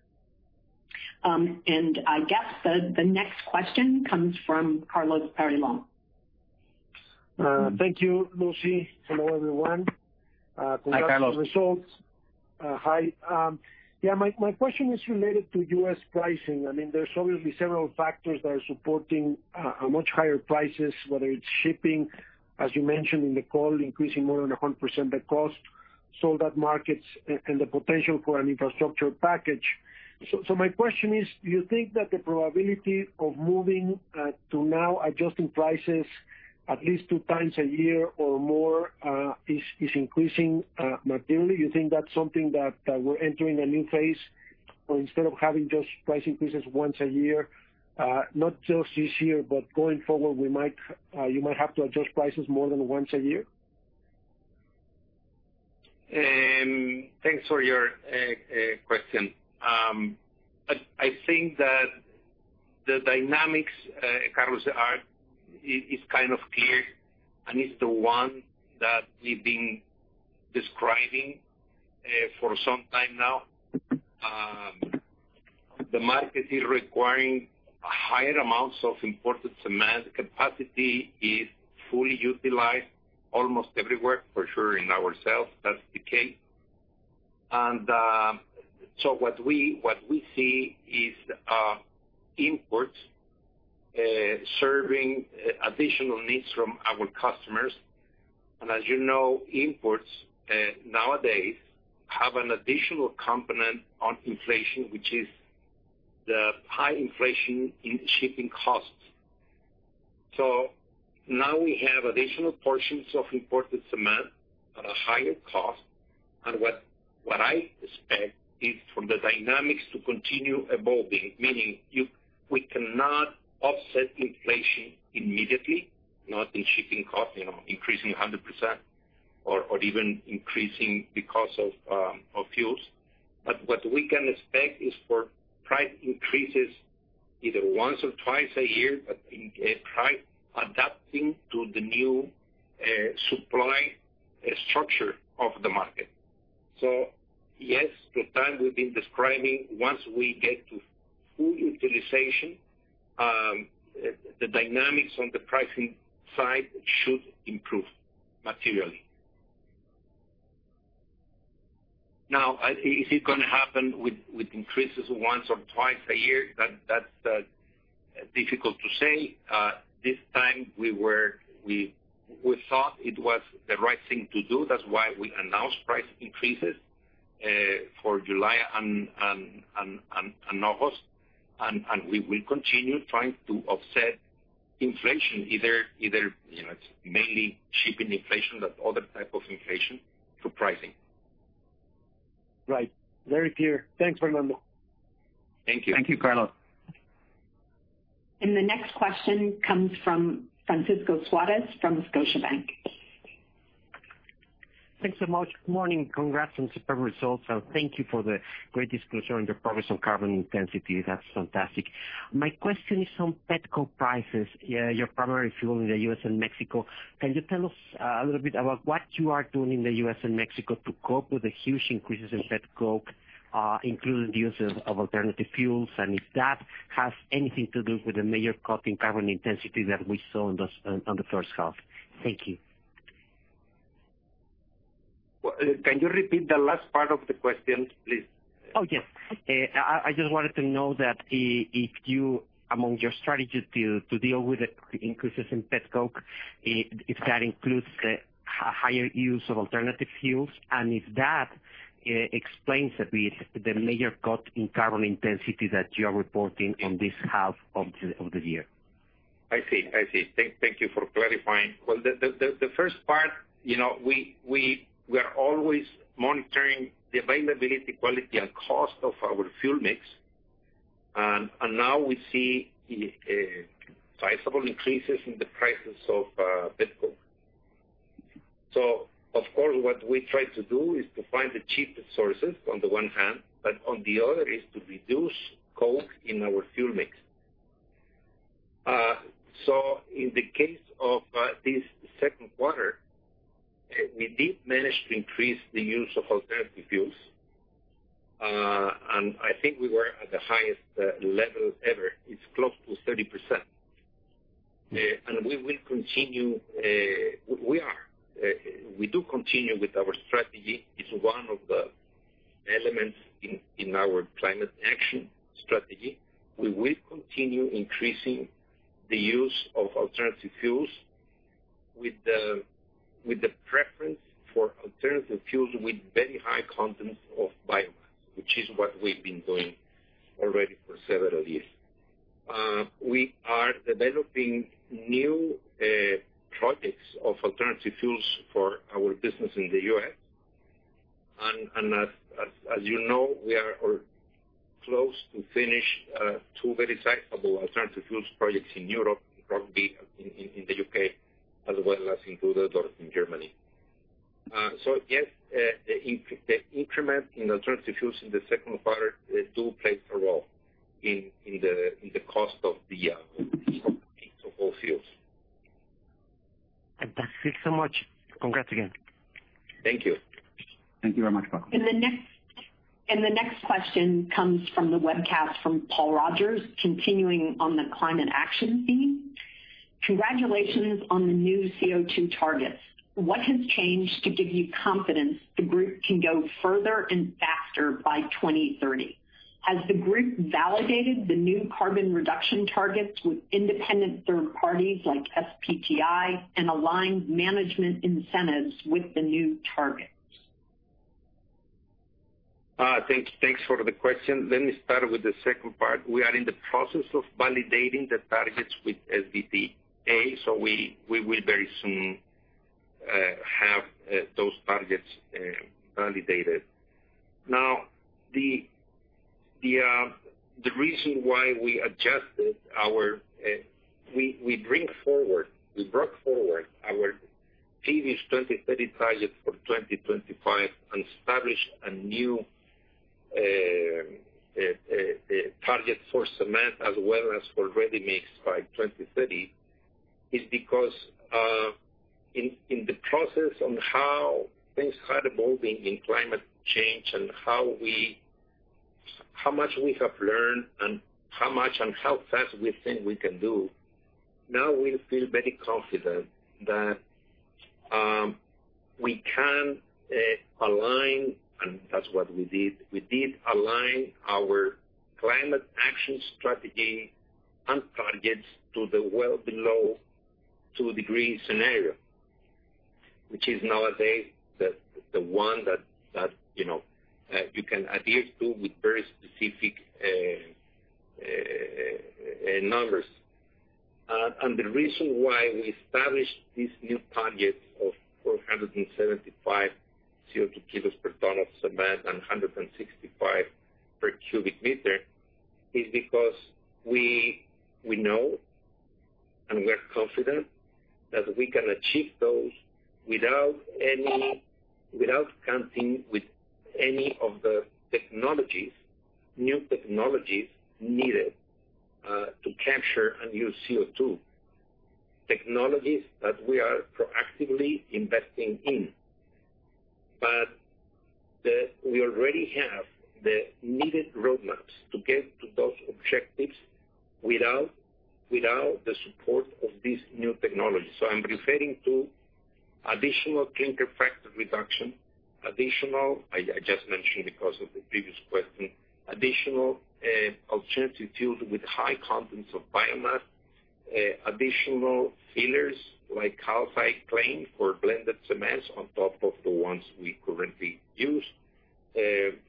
I guess the next question comes from Carlos Peyrelongue. Thank you, Lucy. Hello, everyone? Hi, Carlos. Congrats on the results. Hi. My question is related to U.S. pricing. I mean, there's obviously several factors that are supporting much higher prices, whether it's shipping, as you mentioned in the call, increasing more than 100% the cost, so that markets and the potential for an infrastructure package. My question is, do you think that the probability of moving to now adjusting prices at least 2x a year or more is increasing materially? You think that's something that we're entering a new phase where instead of having just price increases once a year, not just this year, but going forward, we might, you might have to adjust prices more than once a year? Thanks for your question. I think that the dynamics, Carlos, are it's kind of clear, and it's the one that we've been describing for some time now. The market is requiring higher amounts of imported cement. Capacity is fully utilized almost everywhere. For sure in ourselves that's the case. So what we see is imports serving additional needs from our customers. As you know, imports nowadays have an additional component on inflation, which is the high inflation in shipping costs. So now we have additional portions of imported cement at a higher cost. What I expect is for the dynamics to continue evolving, meaning we cannot offset inflation immediately, not in shipping costs, you know, increasing 100% or even increasing the cost of fuels. What we can expect is for price increases either once or twice a year, in adapting to the new supply structure of the market. Yes, the time we've been describing, once we get to full utilization, the dynamics on the pricing side should improve materially. Is it going to happen with increases once or twice a year? That's difficult to say. This time we thought it was the right thing to do, that's why we announced price increases for July and August, and we will continue trying to offset inflation either, you know, it's mainly shipping inflation but other type of inflation through pricing. Right. Very clear. Thanks, Fernando. Thank you, Carlos. The next question comes from Francisco Suarez from Scotiabank. Thanks so much. Morning? Congrats on superb results. Thank you for the great disclosure on your progress on carbon intensity. That's fantastic. My question is on Petcoke prices, your primary fuel in the U.S. and Mexico. Can you tell us a little bit about what you are doing in the U.S. and Mexico to cope with the huge increases in Petcoke, including the use of alternative fuels, and if that has anything to do with the major cut in carbon intensity that we saw in this on the 1st half? Thank you. Well, can you repeat the last part of the question, please? Oh, yes. I just wanted to know that if you, among your strategies to deal with the increases in Petcoke, if that includes the higher use of alternative fuels, and if that explains a bit the major cut in carbon intensity that you are reporting on this half of the year? I see. I see. Thank you for clarifying. The first part, you know, we are always monitoring the availability, quality, and cost of our fuel mix. Now we see sizable increases in the prices of Petcoke. Of course, what we try to do is to find the cheapest sources on the one hand, but on the other is to reduce coke in our fuel mix. In the case of this second quarter, we did manage to increase the use of alternative fuels. I think we were at the highest level ever. It's close to 30%. We will continue, we are. We do continue with our strategy. It's one of the elements in our climate action strategy. We will continue increasing the use of alternative fuels with the preference for alternative fuels with very high content of biomass, which is what we've been doing already for several years. We are developing new projects of alternative fuels for our business in the U.S. As you know, we are close to finish two very sizable alternative fuels projects in Europe, in Rugby, in the U.K., as well as in Rüdersdorf in Germany. Yes, the increment in alternative fuels in the second quarter do play a role in the cost of all fuels. Fantastic. Thank you so much. Congrats again. Thank you. Thank you very much. Bye. The next question comes from the webcast from Paul Rogers, continuing on the climate action theme. Congratulations on the new CO2 targets. What has changed to give you confidence the group can go further and faster by 2030? Has the group validated the new carbon reduction targets with independent third parties like SBTi and aligned management incentives with the new targets? Thanks for the question. Let me start with the second part. We are in the process of validating the targets with SBTi, so we will very soon have those targets validated. Now, the reason why we adjusted our we brought forward our previous 2030 target for 2025 and established a new target for cement as well as for Ready-mix by 2030, is because in the process on how things are evolving in climate change and how much we have learned and how much and how fast we think we can do. Now we feel very confident that we can align, and that's what we did. We did align our climate action strategy and targets to the well below two-degree scenario, which is nowadays the one that, you know, you can adhere to with very specific numbers. The reason why we established these new targets of 475 CO2 kilos per ton of cement and 165 per cubic meter is because we know and we are confident that we can achieve those without counting with any of the technologies, new technologies needed to capture and use CO2. Technologies that we are proactively investing in. We already have the needed roadmaps to get to those objectives without the support of these new technologies. I'm referring to additional clinker factor reduction, additional, I just mentioned because of the previous question, additional alternative fuels with high contents of biomass, additional fillers like calcined clay for blended cements on top of the ones we currently use.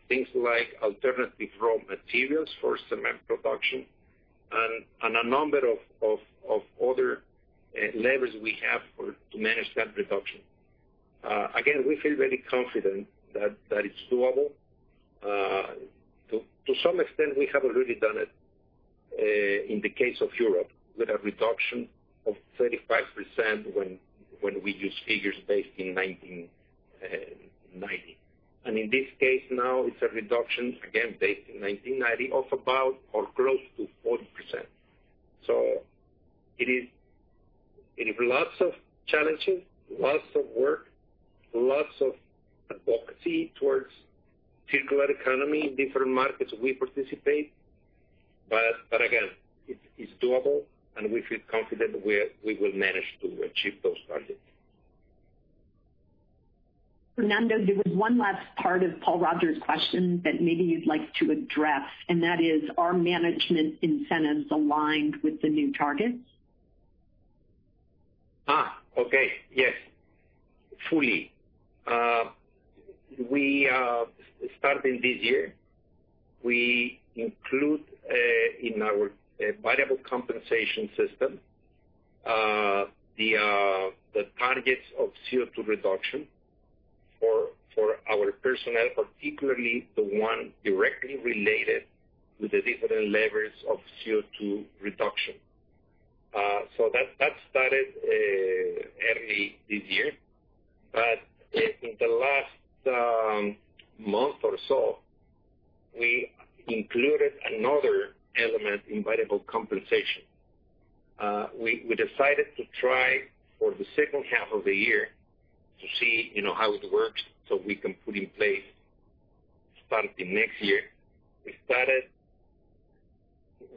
Things like alternative raw materials for cement production and a number of other levers we have for to manage that reduction. Again, we feel very confident that it's doable. To some extent, we have already done it in the case of Europe with a reduction of 35% when we use figures based in 1990. In this case now, it's a reduction, again based in 1990, of about or close to 40%. It is lots of challenges, lots of work, lots of advocacy towards circular economy in different markets we participate. Again, it's doable, and we feel confident we will manage to achieve those targets. Fernando, there was one last part of Paul Rogers' question that maybe you'd like to address, and that is, are management incentives aligned with the new targets? Starting this year, we include in our variable compensation system the targets of CO2 reduction for our personnel, particularly the one directly related to the different levers of CO2 reduction. That started early this year. In the last month or so, we included another element in variable compensation. We decided to try for the second half of the year to see, you know, how it works, so we can put in place starting next year. We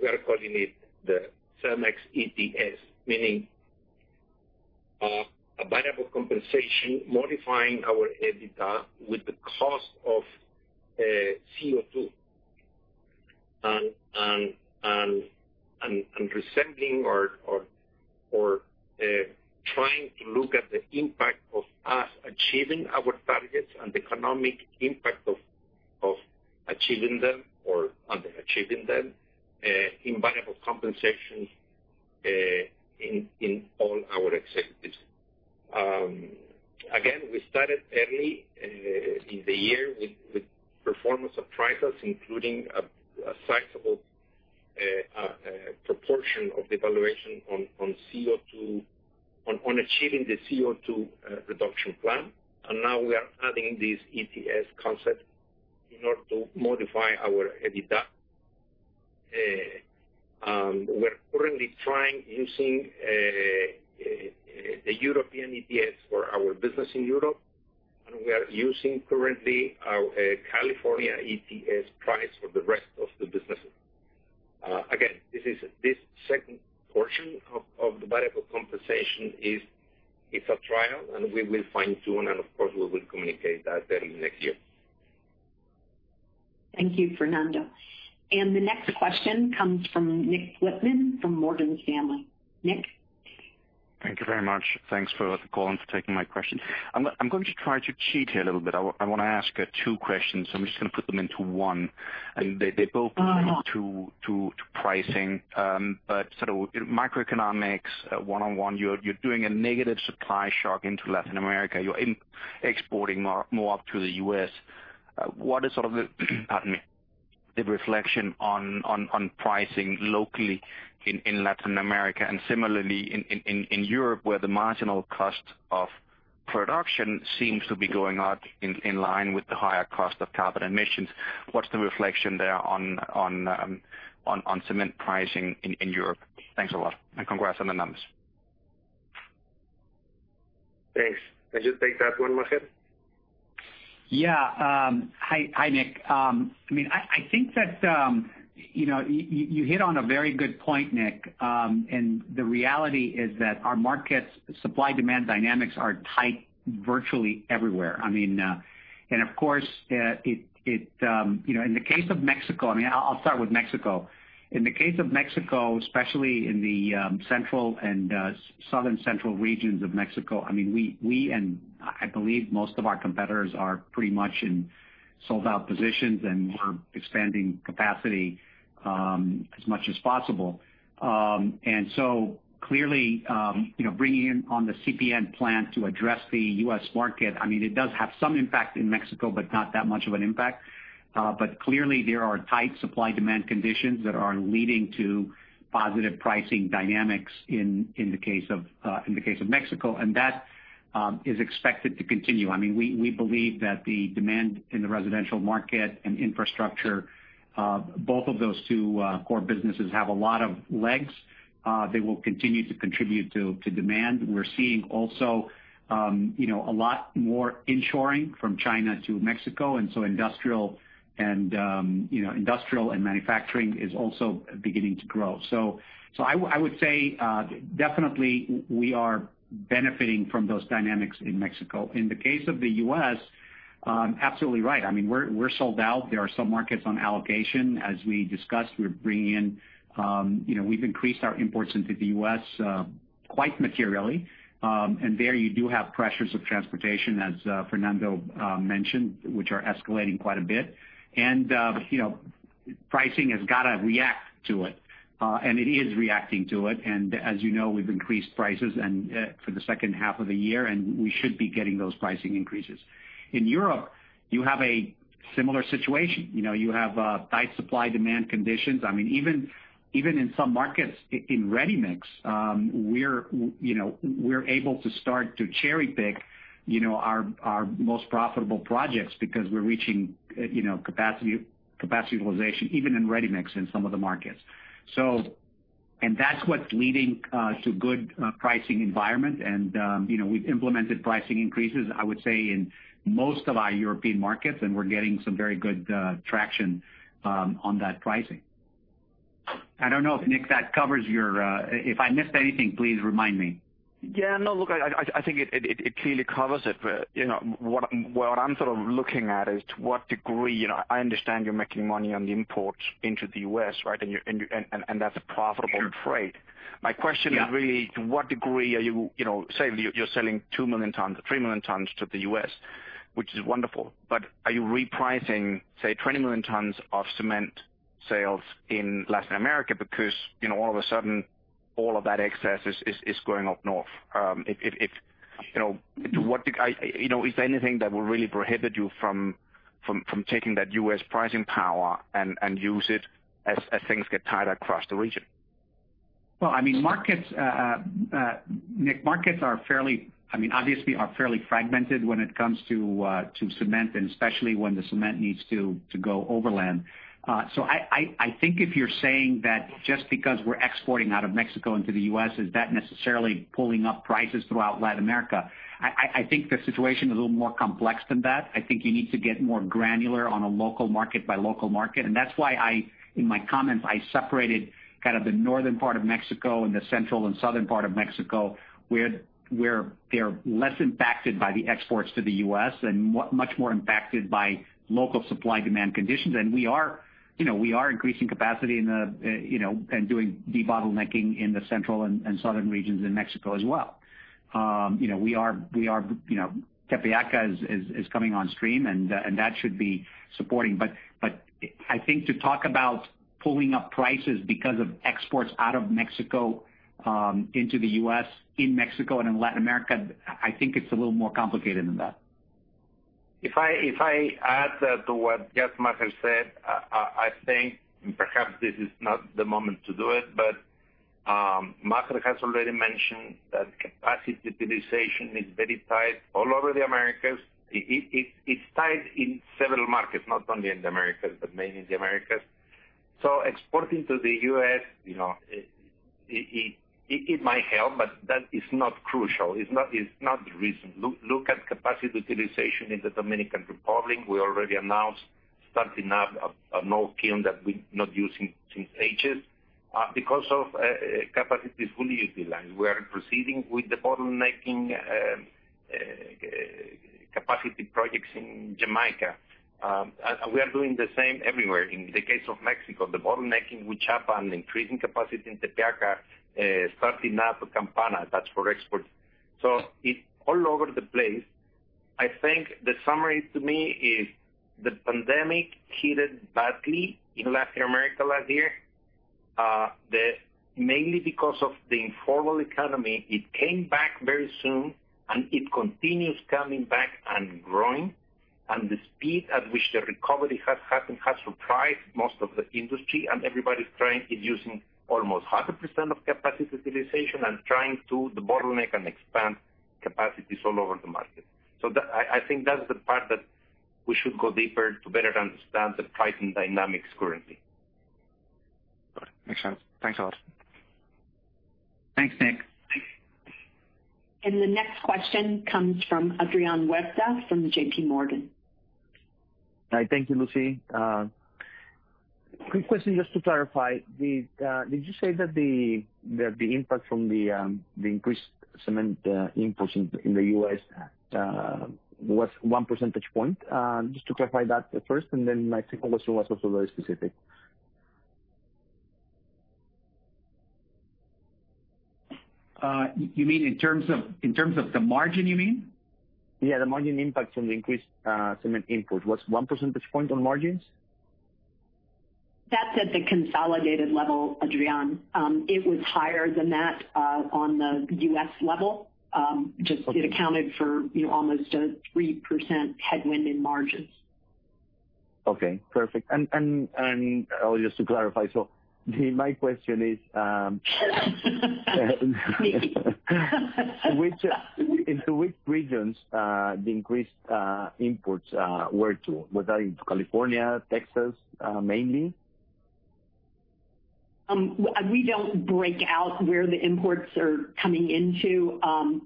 are calling it the CEMEX ETS, meaning a variable compensation modifying our EBITDA with the cost of CO2. Achieving our targets and economic impact of achieving them or under achieving them in variable compensations in all our executives. Again, we started early in the year with performance of trials, including a sizable proportion of the evaluation on CO2 on achieving the CO2 reduction plan. Now we are adding this ETS concept in order to modify our EBITDA. We're currently trying using a European ETS for our business in Europe, we are using currently our California ETS price for the rest of the business. Again, this second portion of the variable compensation is a trial, we will fine-tune and of course, we will communicate that early next year. Thank you, Fernando. The next question comes from Nik Lippmann from Morgan Stanley. Nik. Thank you very much. Thanks for the call and for taking my question. I'm going to try to cheat here a little bit. I wanna ask two questions, so I'm just gonna put them into one. They both relate to pricing, but sort of microeconomics 101, you're doing a negative supply shock into Latin America. You're exporting more up to the U.S. What is sort of the, pardon me, the reflection on pricing locally in Latin America and similarly in Europe, where the marginal cost of production seems to be going out in line with the higher cost of carbon emissions. What's the reflection there on cement pricing in Europe? Thanks a lot and congrats on the numbers. Thanks. Can you take that one, Maher? Yeah. Hi, Nick. I mean, I think that, you know, you hit on a very good point, Nick. The reality is that our markets supply-demand dynamics are tight virtually everywhere. I mean, and of course, it, you know, in the case of Mexico, I mean, I'll start with Mexico. In the case of Mexico, especially in the central and southern central regions of Mexico, I mean, we, and I believe most of our competitors are pretty much in sold-out positions, and we're expanding capacity as much as possible. Clearly, you know, bringing in on the CPN plant to address the U.S. market, I mean, it does have some impact in Mexico, but not that much of an impact. Clearly there are tight supply-demand conditions that are leading to positive pricing dynamics in the case of Mexico, and that is expected to continue. I mean, we believe that the demand in the residential market and infrastructure, both of those two core businesses have a lot of legs. They will continue to contribute to demand. We're seeing also, you know, a lot more inshoring from China to Mexico, industrial and manufacturing is also beginning to grow. I would say, definitely we are benefiting from those dynamics in Mexico. In the case of the U.S., absolutely right. I mean, we're sold out. There are some markets on allocation. As we discussed, we're bringing in, you know, we've increased our imports into the U.S., quite materially. There you do have pressures of transportation, as Fernando mentioned, which are escalating quite a bit. You know, pricing has gotta react to it. It is reacting to it. As you know, we've increased prices for the second half of the year, we should be getting those pricing increases. In Europe, you have a similar situation. You know, you have tight supply-demand conditions. I mean, even in some markets in ready-mix, we're, you know, we're able to start to cherry-pick, you know, our most profitable projects because we're reaching, you know, capacity utilization even in ready-mix in some of the markets. That's what's leading to good pricing environment. You know, we've implemented pricing increases, I would say, in most of our European markets, and we're getting some very good traction on that pricing. I don't know if, Nick, that covers your. If I missed anything, please remind me. Yeah. No, look, I think it clearly covers it. You know, what I'm sort of looking at is to what degree, you know, I understand you're making money on the imports into the U.S., right? That's profitable freight. Sure. Yeah. My question is really to what degree are you know, say you're selling two million tons or three million tons to the U.S., which is wonderful, but are you repricing, say, 20 million tons of cement sales in Latin America because, you know, all of a sudden, all of that excess is going up north? Is there anything that will really prohibit you from taking that U.S. pricing power and use it as things get tighter across the region? Well, I mean, markets, Nick, markets are fairly, I mean, obviously are fairly fragmented when it comes to cement, and especially when the cement needs to go overland. I think if you're saying that just because we're exporting out of Mexico into the U.S., is that necessarily pulling up prices throughout Latin America? I think the situation is a little more complex than that. I think you need to get more granular on a local market by local market, and that's why I, in my comments, I separated kind of the northern part of Mexico and the central and southern part of Mexico, where they're less impacted by the exports to the U.S. and much more impacted by local supply-demand conditions. We are, you know, we are increasing capacity in the, you know, and doing debottlenecking in the central and southern regions in Mexico as well. You know, we are, you know, Tepeaca is coming on stream, and that should be supporting. I think to talk about pulling up prices because of exports out of Mexico, into the U.S., in Mexico and in Latin America, I think it is a little more complicated than that. If I add to what, yes, Maher said, I think, and perhaps this is not the moment to do it, but Maher has already mentioned that capacity utilization is very tight all over the Americas. It might help, but that is not crucial. It's not the reason. Look at capacity utilization in the Dominican Republic. We already announced starting up a old kiln that we're not using since ages, because capacity is fully utilized. We are proceeding with the de-bottlenecking capacity projects in Jamaica. We are doing the same everywhere. In the case of Mexico, de-bottlenecking in Huichapan and increasing capacity in Tepeaca, starting up Campana, that's for export. It's all over the place. I think the summary to me is the pandemic hit it badly in Latin America last year. Mainly because of the informal economy, it came back very soon, and it continues coming back and growing. The speed at which the recovery has happened has surprised most of the industry, and everybody's trying and using almost 100% of capacity utilization and trying to de-bottleneck and expand capacities all over the market. That, I think that's the part that we should go deeper to better understand the pricing dynamics currently. Got it. Makes sense. Thanks a lot. Thanks, Nick. The next question comes from Adrian Huerta from JPMorgan. Hi. Thank you, Lucy. quick question just to clarify. Did you say that the impact from the increased cement imports in the U.S. was one percentage point? just to clarify that first, my second question was also very specific. You mean in terms of the margin, you mean? Yeah, the margin impact from the increased cement input. Was 1 percentage point on margins? That's at the consolidated level, Adrian. It was higher than that on the U.S. level, it accounted for, you know, almost a 3% headwind in margins. Okay, perfect. Just to clarify, my question is which, into which regions, the increased imports, were to? Was that into California, Texas, mainly? We don't break out where the imports are coming into.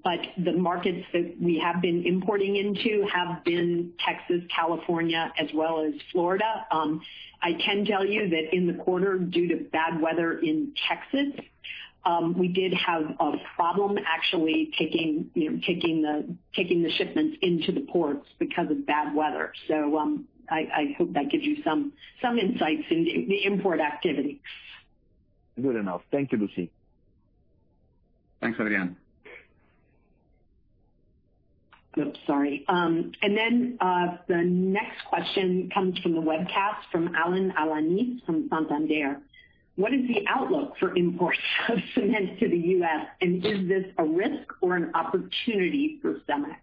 But the markets that we have been importing into have been Texas, California, as well as Florida. I can tell you that in the quarter, due to bad weather in Texas, we did have a problem actually taking, you know, taking the shipments into the ports because of bad weather. I hope that gives you some insights into the import activity. Good enough. Thank you, Lucy. Thanks, Adrian. Oops, sorry. The next question comes from the webcast from Alan Alanis from Santander. What is the outlook for imports of cement to the U.S., and is this a risk or an opportunity for CEMEX?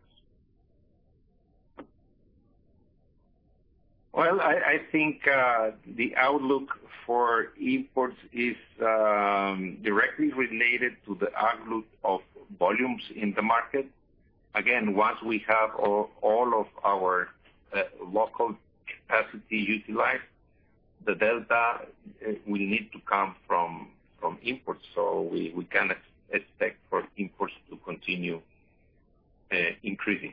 Well, I think the outlook for imports is directly related to the outlook of volumes in the market. Again, once we have all of our local capacity utilized, the delta will need to come from imports. We can expect for imports to continue increasing.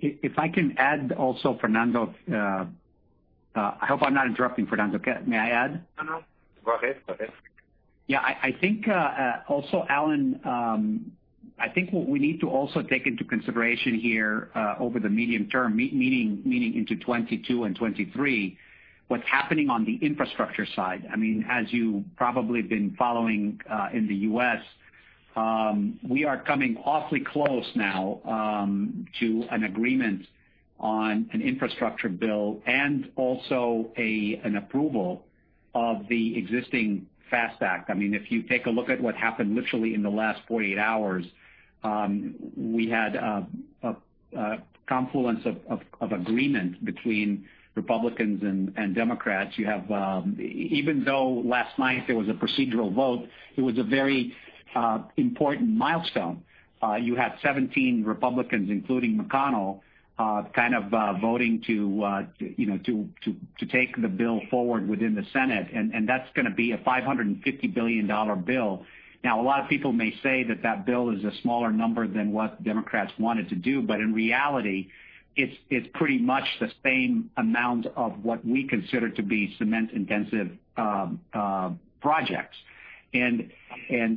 If I can add also, Fernando, I hope I'm not interrupting, Fernando. May I add? No, no. Go ahead. Go ahead. Yeah. I think, also, Alan, I think what we need to also take into consideration here, over the medium term, meaning into 2022 and 2023, what's happening on the infrastructure side. I mean, as you probably have been following, in the U.S., we are coming awfully close now to an agreement on an infrastructure bill and also an approval of the existing FAST Act. I mean, if you take a look at what happened literally in the last 48 hours, we had a confluence of agreement between Republicans and Democrats. You have, even though last night there was a procedural vote, it was a very important milestone. You had 17 Republicans, including McConnell, voting to take the bill forward within the Senate, and that's gonna be a $550 billion bill. A lot of people may say that that bill is a smaller number than what Democrats wanted to do, but in reality, it's pretty much the same amount of what we consider to be cement-intensive projects. You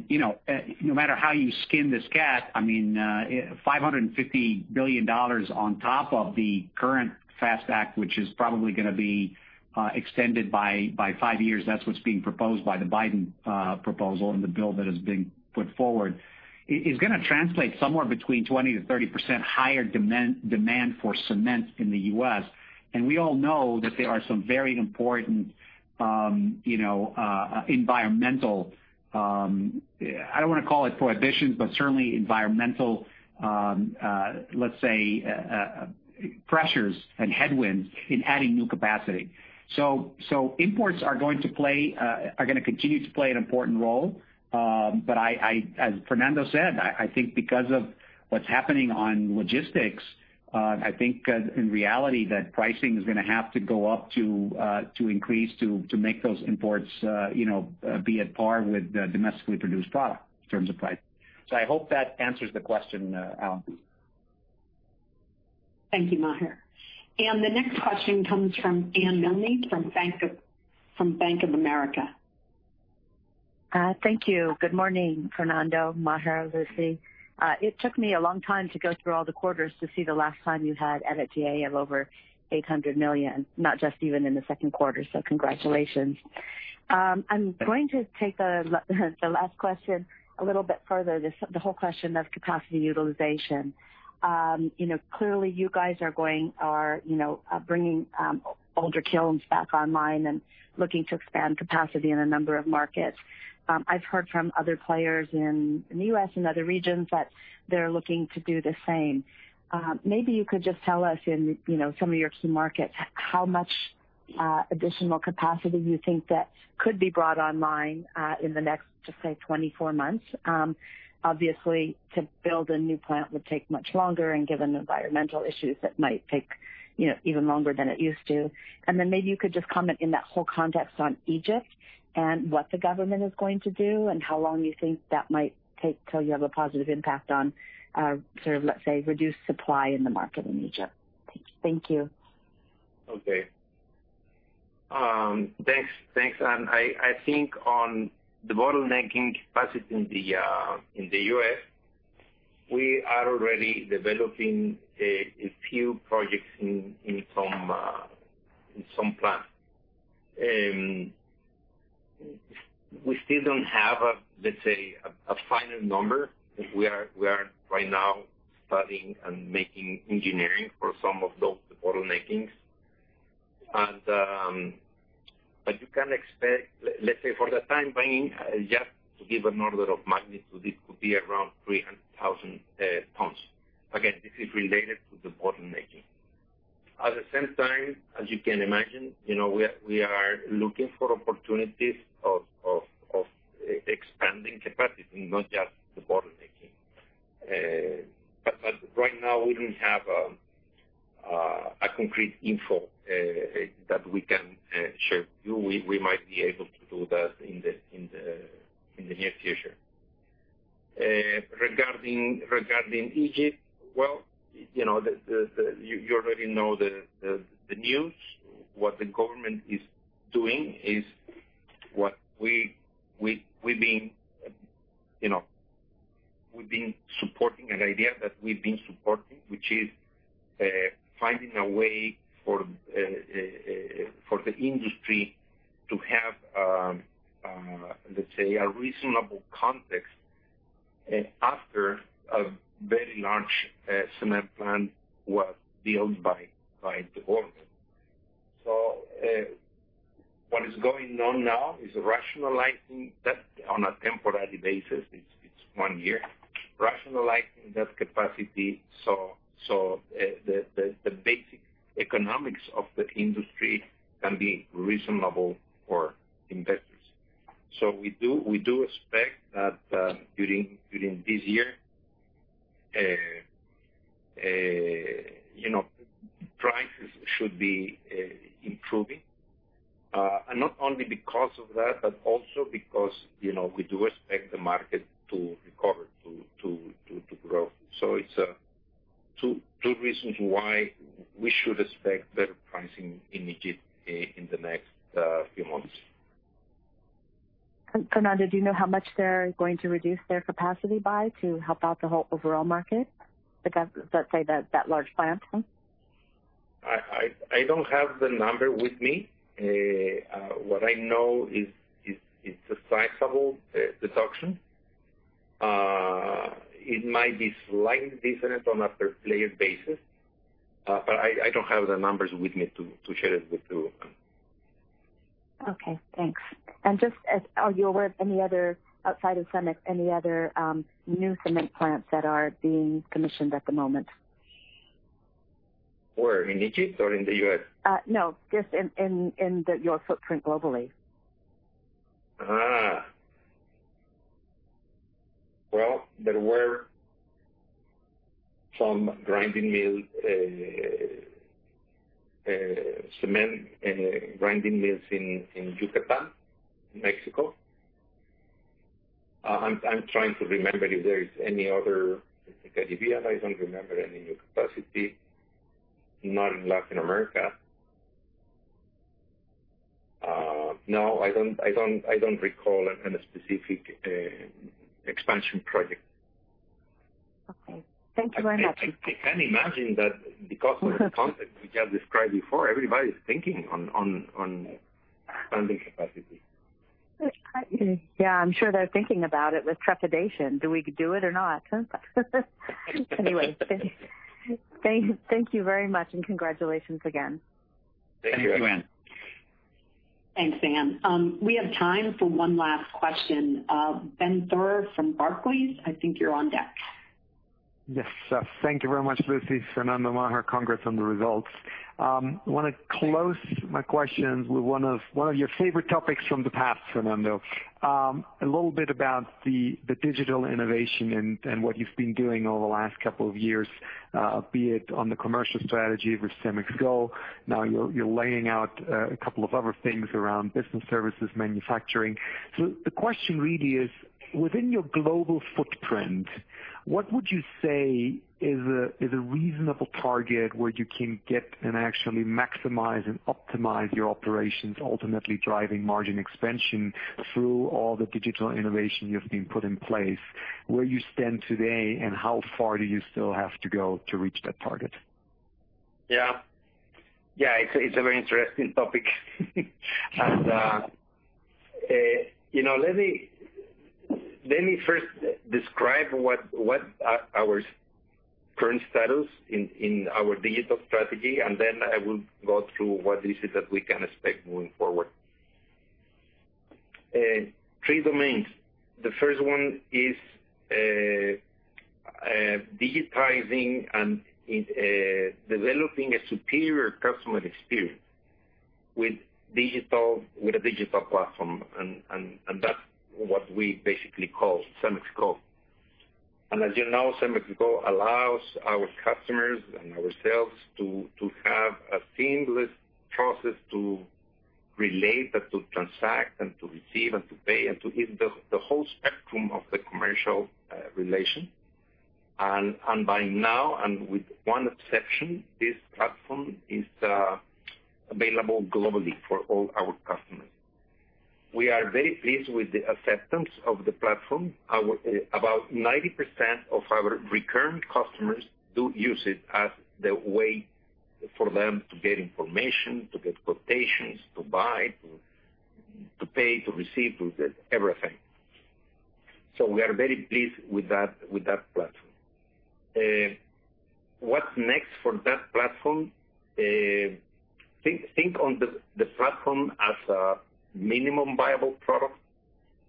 know, no matter how you skin this cat, I mean, $550 billion on top of the current FAST Act, which is probably gonna be extended by five years, that's what's being proposed by the Biden proposal and the bill that is being put forward, it is gonna translate somewhere between 20%-30% higher demand for cement in the U.S. We all know that there are some very important, you know, environmental, Yeah, I don't wanna call it prohibitions, but certainly environmental, let's say, pressures and headwinds in adding new capacity. Imports are going to play, are gonna continue to play an important role. As Fernando said, I think because of what's happening on logistics, I think in reality, that pricing is going to have to go up to increase to make those imports, you know, be at par with the domestically produced product in terms of price. I hope that answers the question, Alan. Thank you, Maher. The next question comes from Anne Milne from Bank of America. Thank you. Good morning, Fernando, Maher, Lucy? It took me a long time to go through all the quarters to see the last time you had EBITDA of over $800 million, not just even in the second quarter. Congratulations. I'm going to take the last question a little bit further, the whole question of capacity utilization. You know, clearly you guys are going, you know, bringing older kilns back online and looking to expand capacity in a number of markets. I've heard from other players in the U.S. and other regions that they're looking to do the same. Maybe you could just tell us in, you know, some of your key markets, how much additional capacity you think that could be brought online in the next, just say, 24 months. Obviously, to build a new plant would take much longer, and given the environmental issues, it might take, you know, even longer than it used to. Maybe you could just comment in that whole context on Egypt and what the government is going to do and how long you think that might take till you have a positive impact on, sort of, let's say, reduced supply in the market in Egypt. Thank you. Okay. Thanks. Thanks, Anne. I think on the bottlenecking capacity in the U.S., we are already developing a few projects in some plants. We still don't have a final number. We are right now studying and making engineering for some of those de-bottleneckings. You can expect, let's say for the time being, just to give an order of magnitude, it could be around 300,000 tons. Again, this is related to the bottlenecking. At the same time, as you can imagine, you know, we are looking for opportunities of expanding capacity, not just the bottlenecking. Right now we don't have a concrete info that we can share with you. We might be able to do that in the near future. Regarding Egypt, well, you know, you already know the news. What the government is doing is what we've been, you know, supporting, an idea that we've been supporting, which is finding a way for the industry to have, let's say, a reasonable context after a very large cement plant was built by the government. What is going on now is rationalizing that on a temporary basis. It's one year. Rationalizing that capacity so the basic economics of the industry can be reasonable for investors. We expect that during this year, you know, prices should be improving. Not only because of that, but also because, you know, we do expect the market to recover, to grow. It's two reasons why we should expect better pricing in Egypt in the next few months. Fernando, do you know how much they're going to reduce their capacity by to help out the whole overall market? Let's say that large plant, hmm? I don't have the number with me. What I know is it's a sizable deduction. It might be slightly different on a per player basis. But I don't have the numbers with me to share it with you. Okay, thanks. Are you aware of any other, outside of CEMEX, new cement plants that are being commissioned at the moment? Where? In Egypt or in the U.S.? No, just in your footprint globally. Well, there were some grinding mill cement grinding mills in Yucatan, Mexico. I'm trying to remember if there is any other. In the Caribbean, I don't remember any new capacity. None in Latin America. No, I don't recall any specific expansion project. Okay. Thank you very much. I can imagine that because of the context we have described before, everybody is thinking on expanding capacity. Yeah, I'm sure they're thinking about it with trepidation. Do we do it or not? Anyway. Thank you very much, and congratulations again. Thank you. Thank you, Anne. Thanks, Anne. We have time for one last question. Ben Theurer from Barclays, I think you're on deck. Yes. Thank you very much, Lucy. Fernando, Maher congrats on the results. I wanna close my questions with one of your favorite topics from the past, Fernando. A little bit about the digital innovation and what you've been doing over the last couple of years, be it on the commercial strategy with CEMEX Go. Now you're laying out a couple of other things around business services, manufacturing. The question really is: Within your global footprint, what would you say is a reasonable target where you can get and actually maximize and optimize your operations, ultimately driving margin expansion through all the digital innovation you've been put in place, where you stand today, and how far do you still have to go to reach that target? Yeah. Yeah, it's a very interesting topic. You know, let me first describe what our current status in our digital strategy, and then I will go through what is it that we can expect moving forward. Three domains. The first one is digitizing and developing a superior customer experience with a digital platform. That's what we basically call CEMEX Go. As you know, CEMEX Go allows our customers and ourselves to have a seamless process to relate and to transact and to receive and to pay and to the whole spectrum of the commercial relation. By now, and with one exception, this platform is available globally for all our customers. We are very pleased with the acceptance of the platform. Our, about 90% of our recurrent customers do use it as the way for them to get information, to get quotations, to buy, to pay, to receive, to everything. We are very pleased with that platform. What's next for that platform? Think on the platform as a minimum viable product.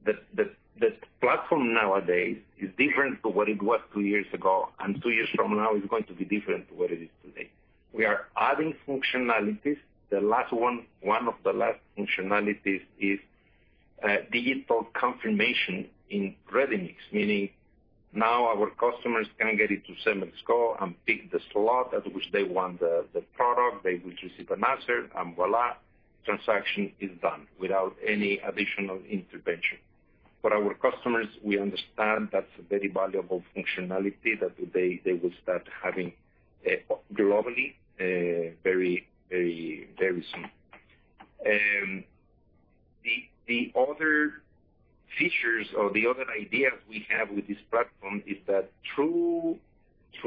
The platform nowadays is different to what it was two years ago, and two years from now is going to be different to what it is today. We are adding functionalities. The last one of the last functionalities is digital confirmation in ready-mix, meaning now our customers can get into CEMEX Go and pick the slot at which they want the product. They will receive an answer, voila, transaction is done without any additional intervention. For our customers, we understand that's a very valuable functionality that they will start having globally very soon. The other features or the other ideas we have with this platform is that through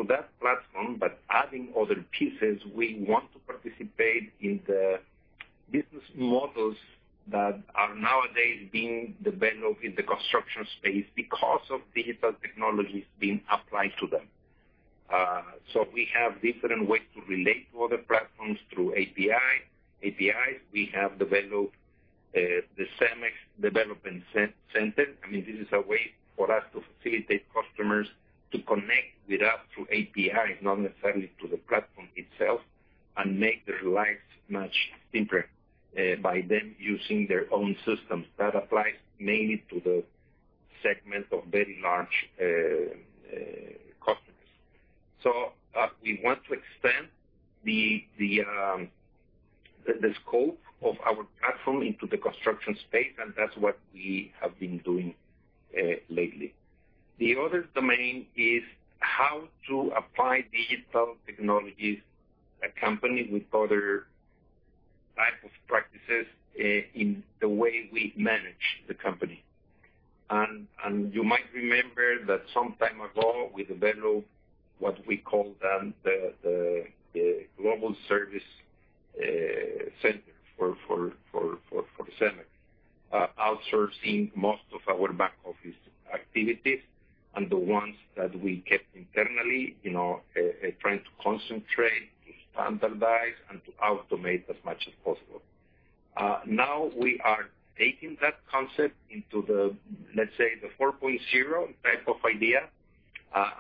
that platform, adding other pieces, we want to participate in the business models that are nowadays being developed in the construction space because of digital technologies being applied to them. We have different ways to relate to other platforms through APIs. We have developed the CEMEX Development Center. I mean, this is a way for us to facilitate customers to connect with us through APIs, not necessarily to the platform itself, and make their lives much simpler by them using their own systems. That applies mainly to the segment of very large customers. We want to expand the scope of our platform into the construction space, and that's what we have been doing lately. The other domain is how to apply digital technologies accompanied with other types of practices in the way we manage the company. You might remember that some time ago, we developed what we call the Global Service Center for CEMEX. Outsourcing most of our back office activities and the ones that we kept internally, you know, trying to concentrate, to standardize, and to automate as much as possible. Now we are taking that concept into the, let's say, the 4.0 type of idea,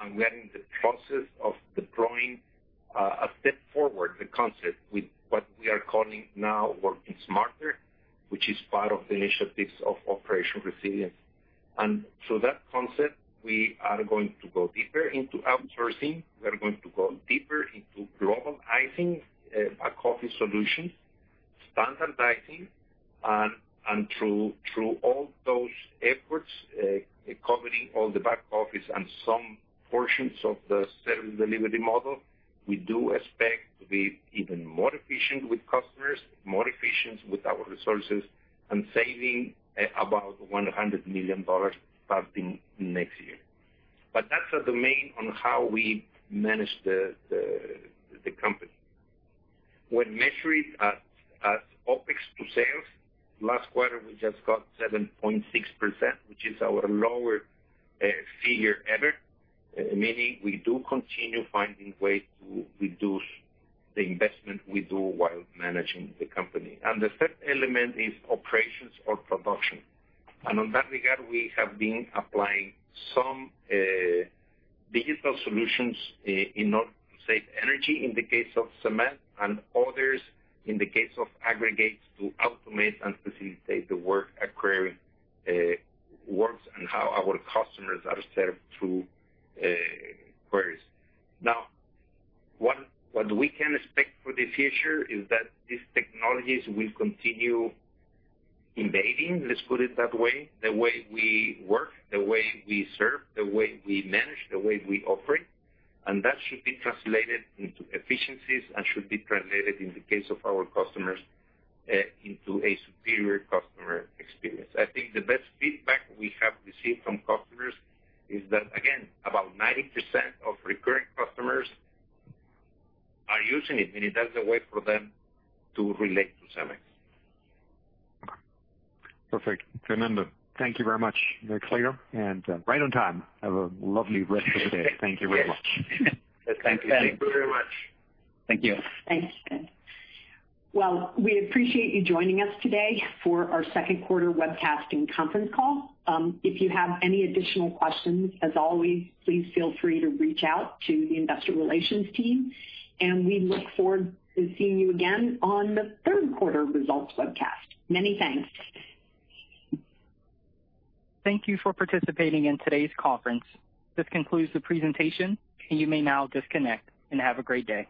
and we are in the process of deploying a step forward the concept with what we are calling now Working Smarter, which is part of the initiatives of Operation Resilience. Through that concept, we are going to go deeper into outsourcing. We are going to go deeper into globalizing back office solutions, standardizing. Through all those efforts, covering all the back office and some portions of the service delivery model, we do expect to be even more efficient with customers, more efficient with our resources, and saving about $100 million starting next year. That's a domain on how we manage the company. When measured at OpEx to sales, last quarter, we just got 7.6%, which is our lower figure ever, meaning we do continue finding ways to reduce the investment we do while managing the company. The third element is operations or production. On that regard, we have been applying some digital solutions in, say, energy in the case of cement and others in the case of aggregates to automate and facilitate the work at quarry works and how our customers are served through quarries. What we can expect for the future is that these technologies will continue invading, let's put it that way, the way we work, the way we serve, the way we manage, the way we operate. That should be translated into efficiencies and should be translated, in the case of our customers, into a superior customer experience. I think the best feedback we have received from customers is that, again, about 90% of recurring customers are using it, meaning that's a way for them to relate to CEMEX. Perfect. Fernando, thank you very much. Very clear and right on time. Have a lovely rest of the day. Thank you very much. Yes. Thanks, Ben. Thank you very much. Thanks, Ben. Well, we appreciate you joining us today for our second quarter webcast and conference call. If you have any additional questions, as always, please feel free to reach out to the investor relations team, and we look forward to seeing you again on the third quarter results webcast. Many thanks. Thank you for participating in today's conference. This concludes the presentation, you may now disconnect, and have a great day.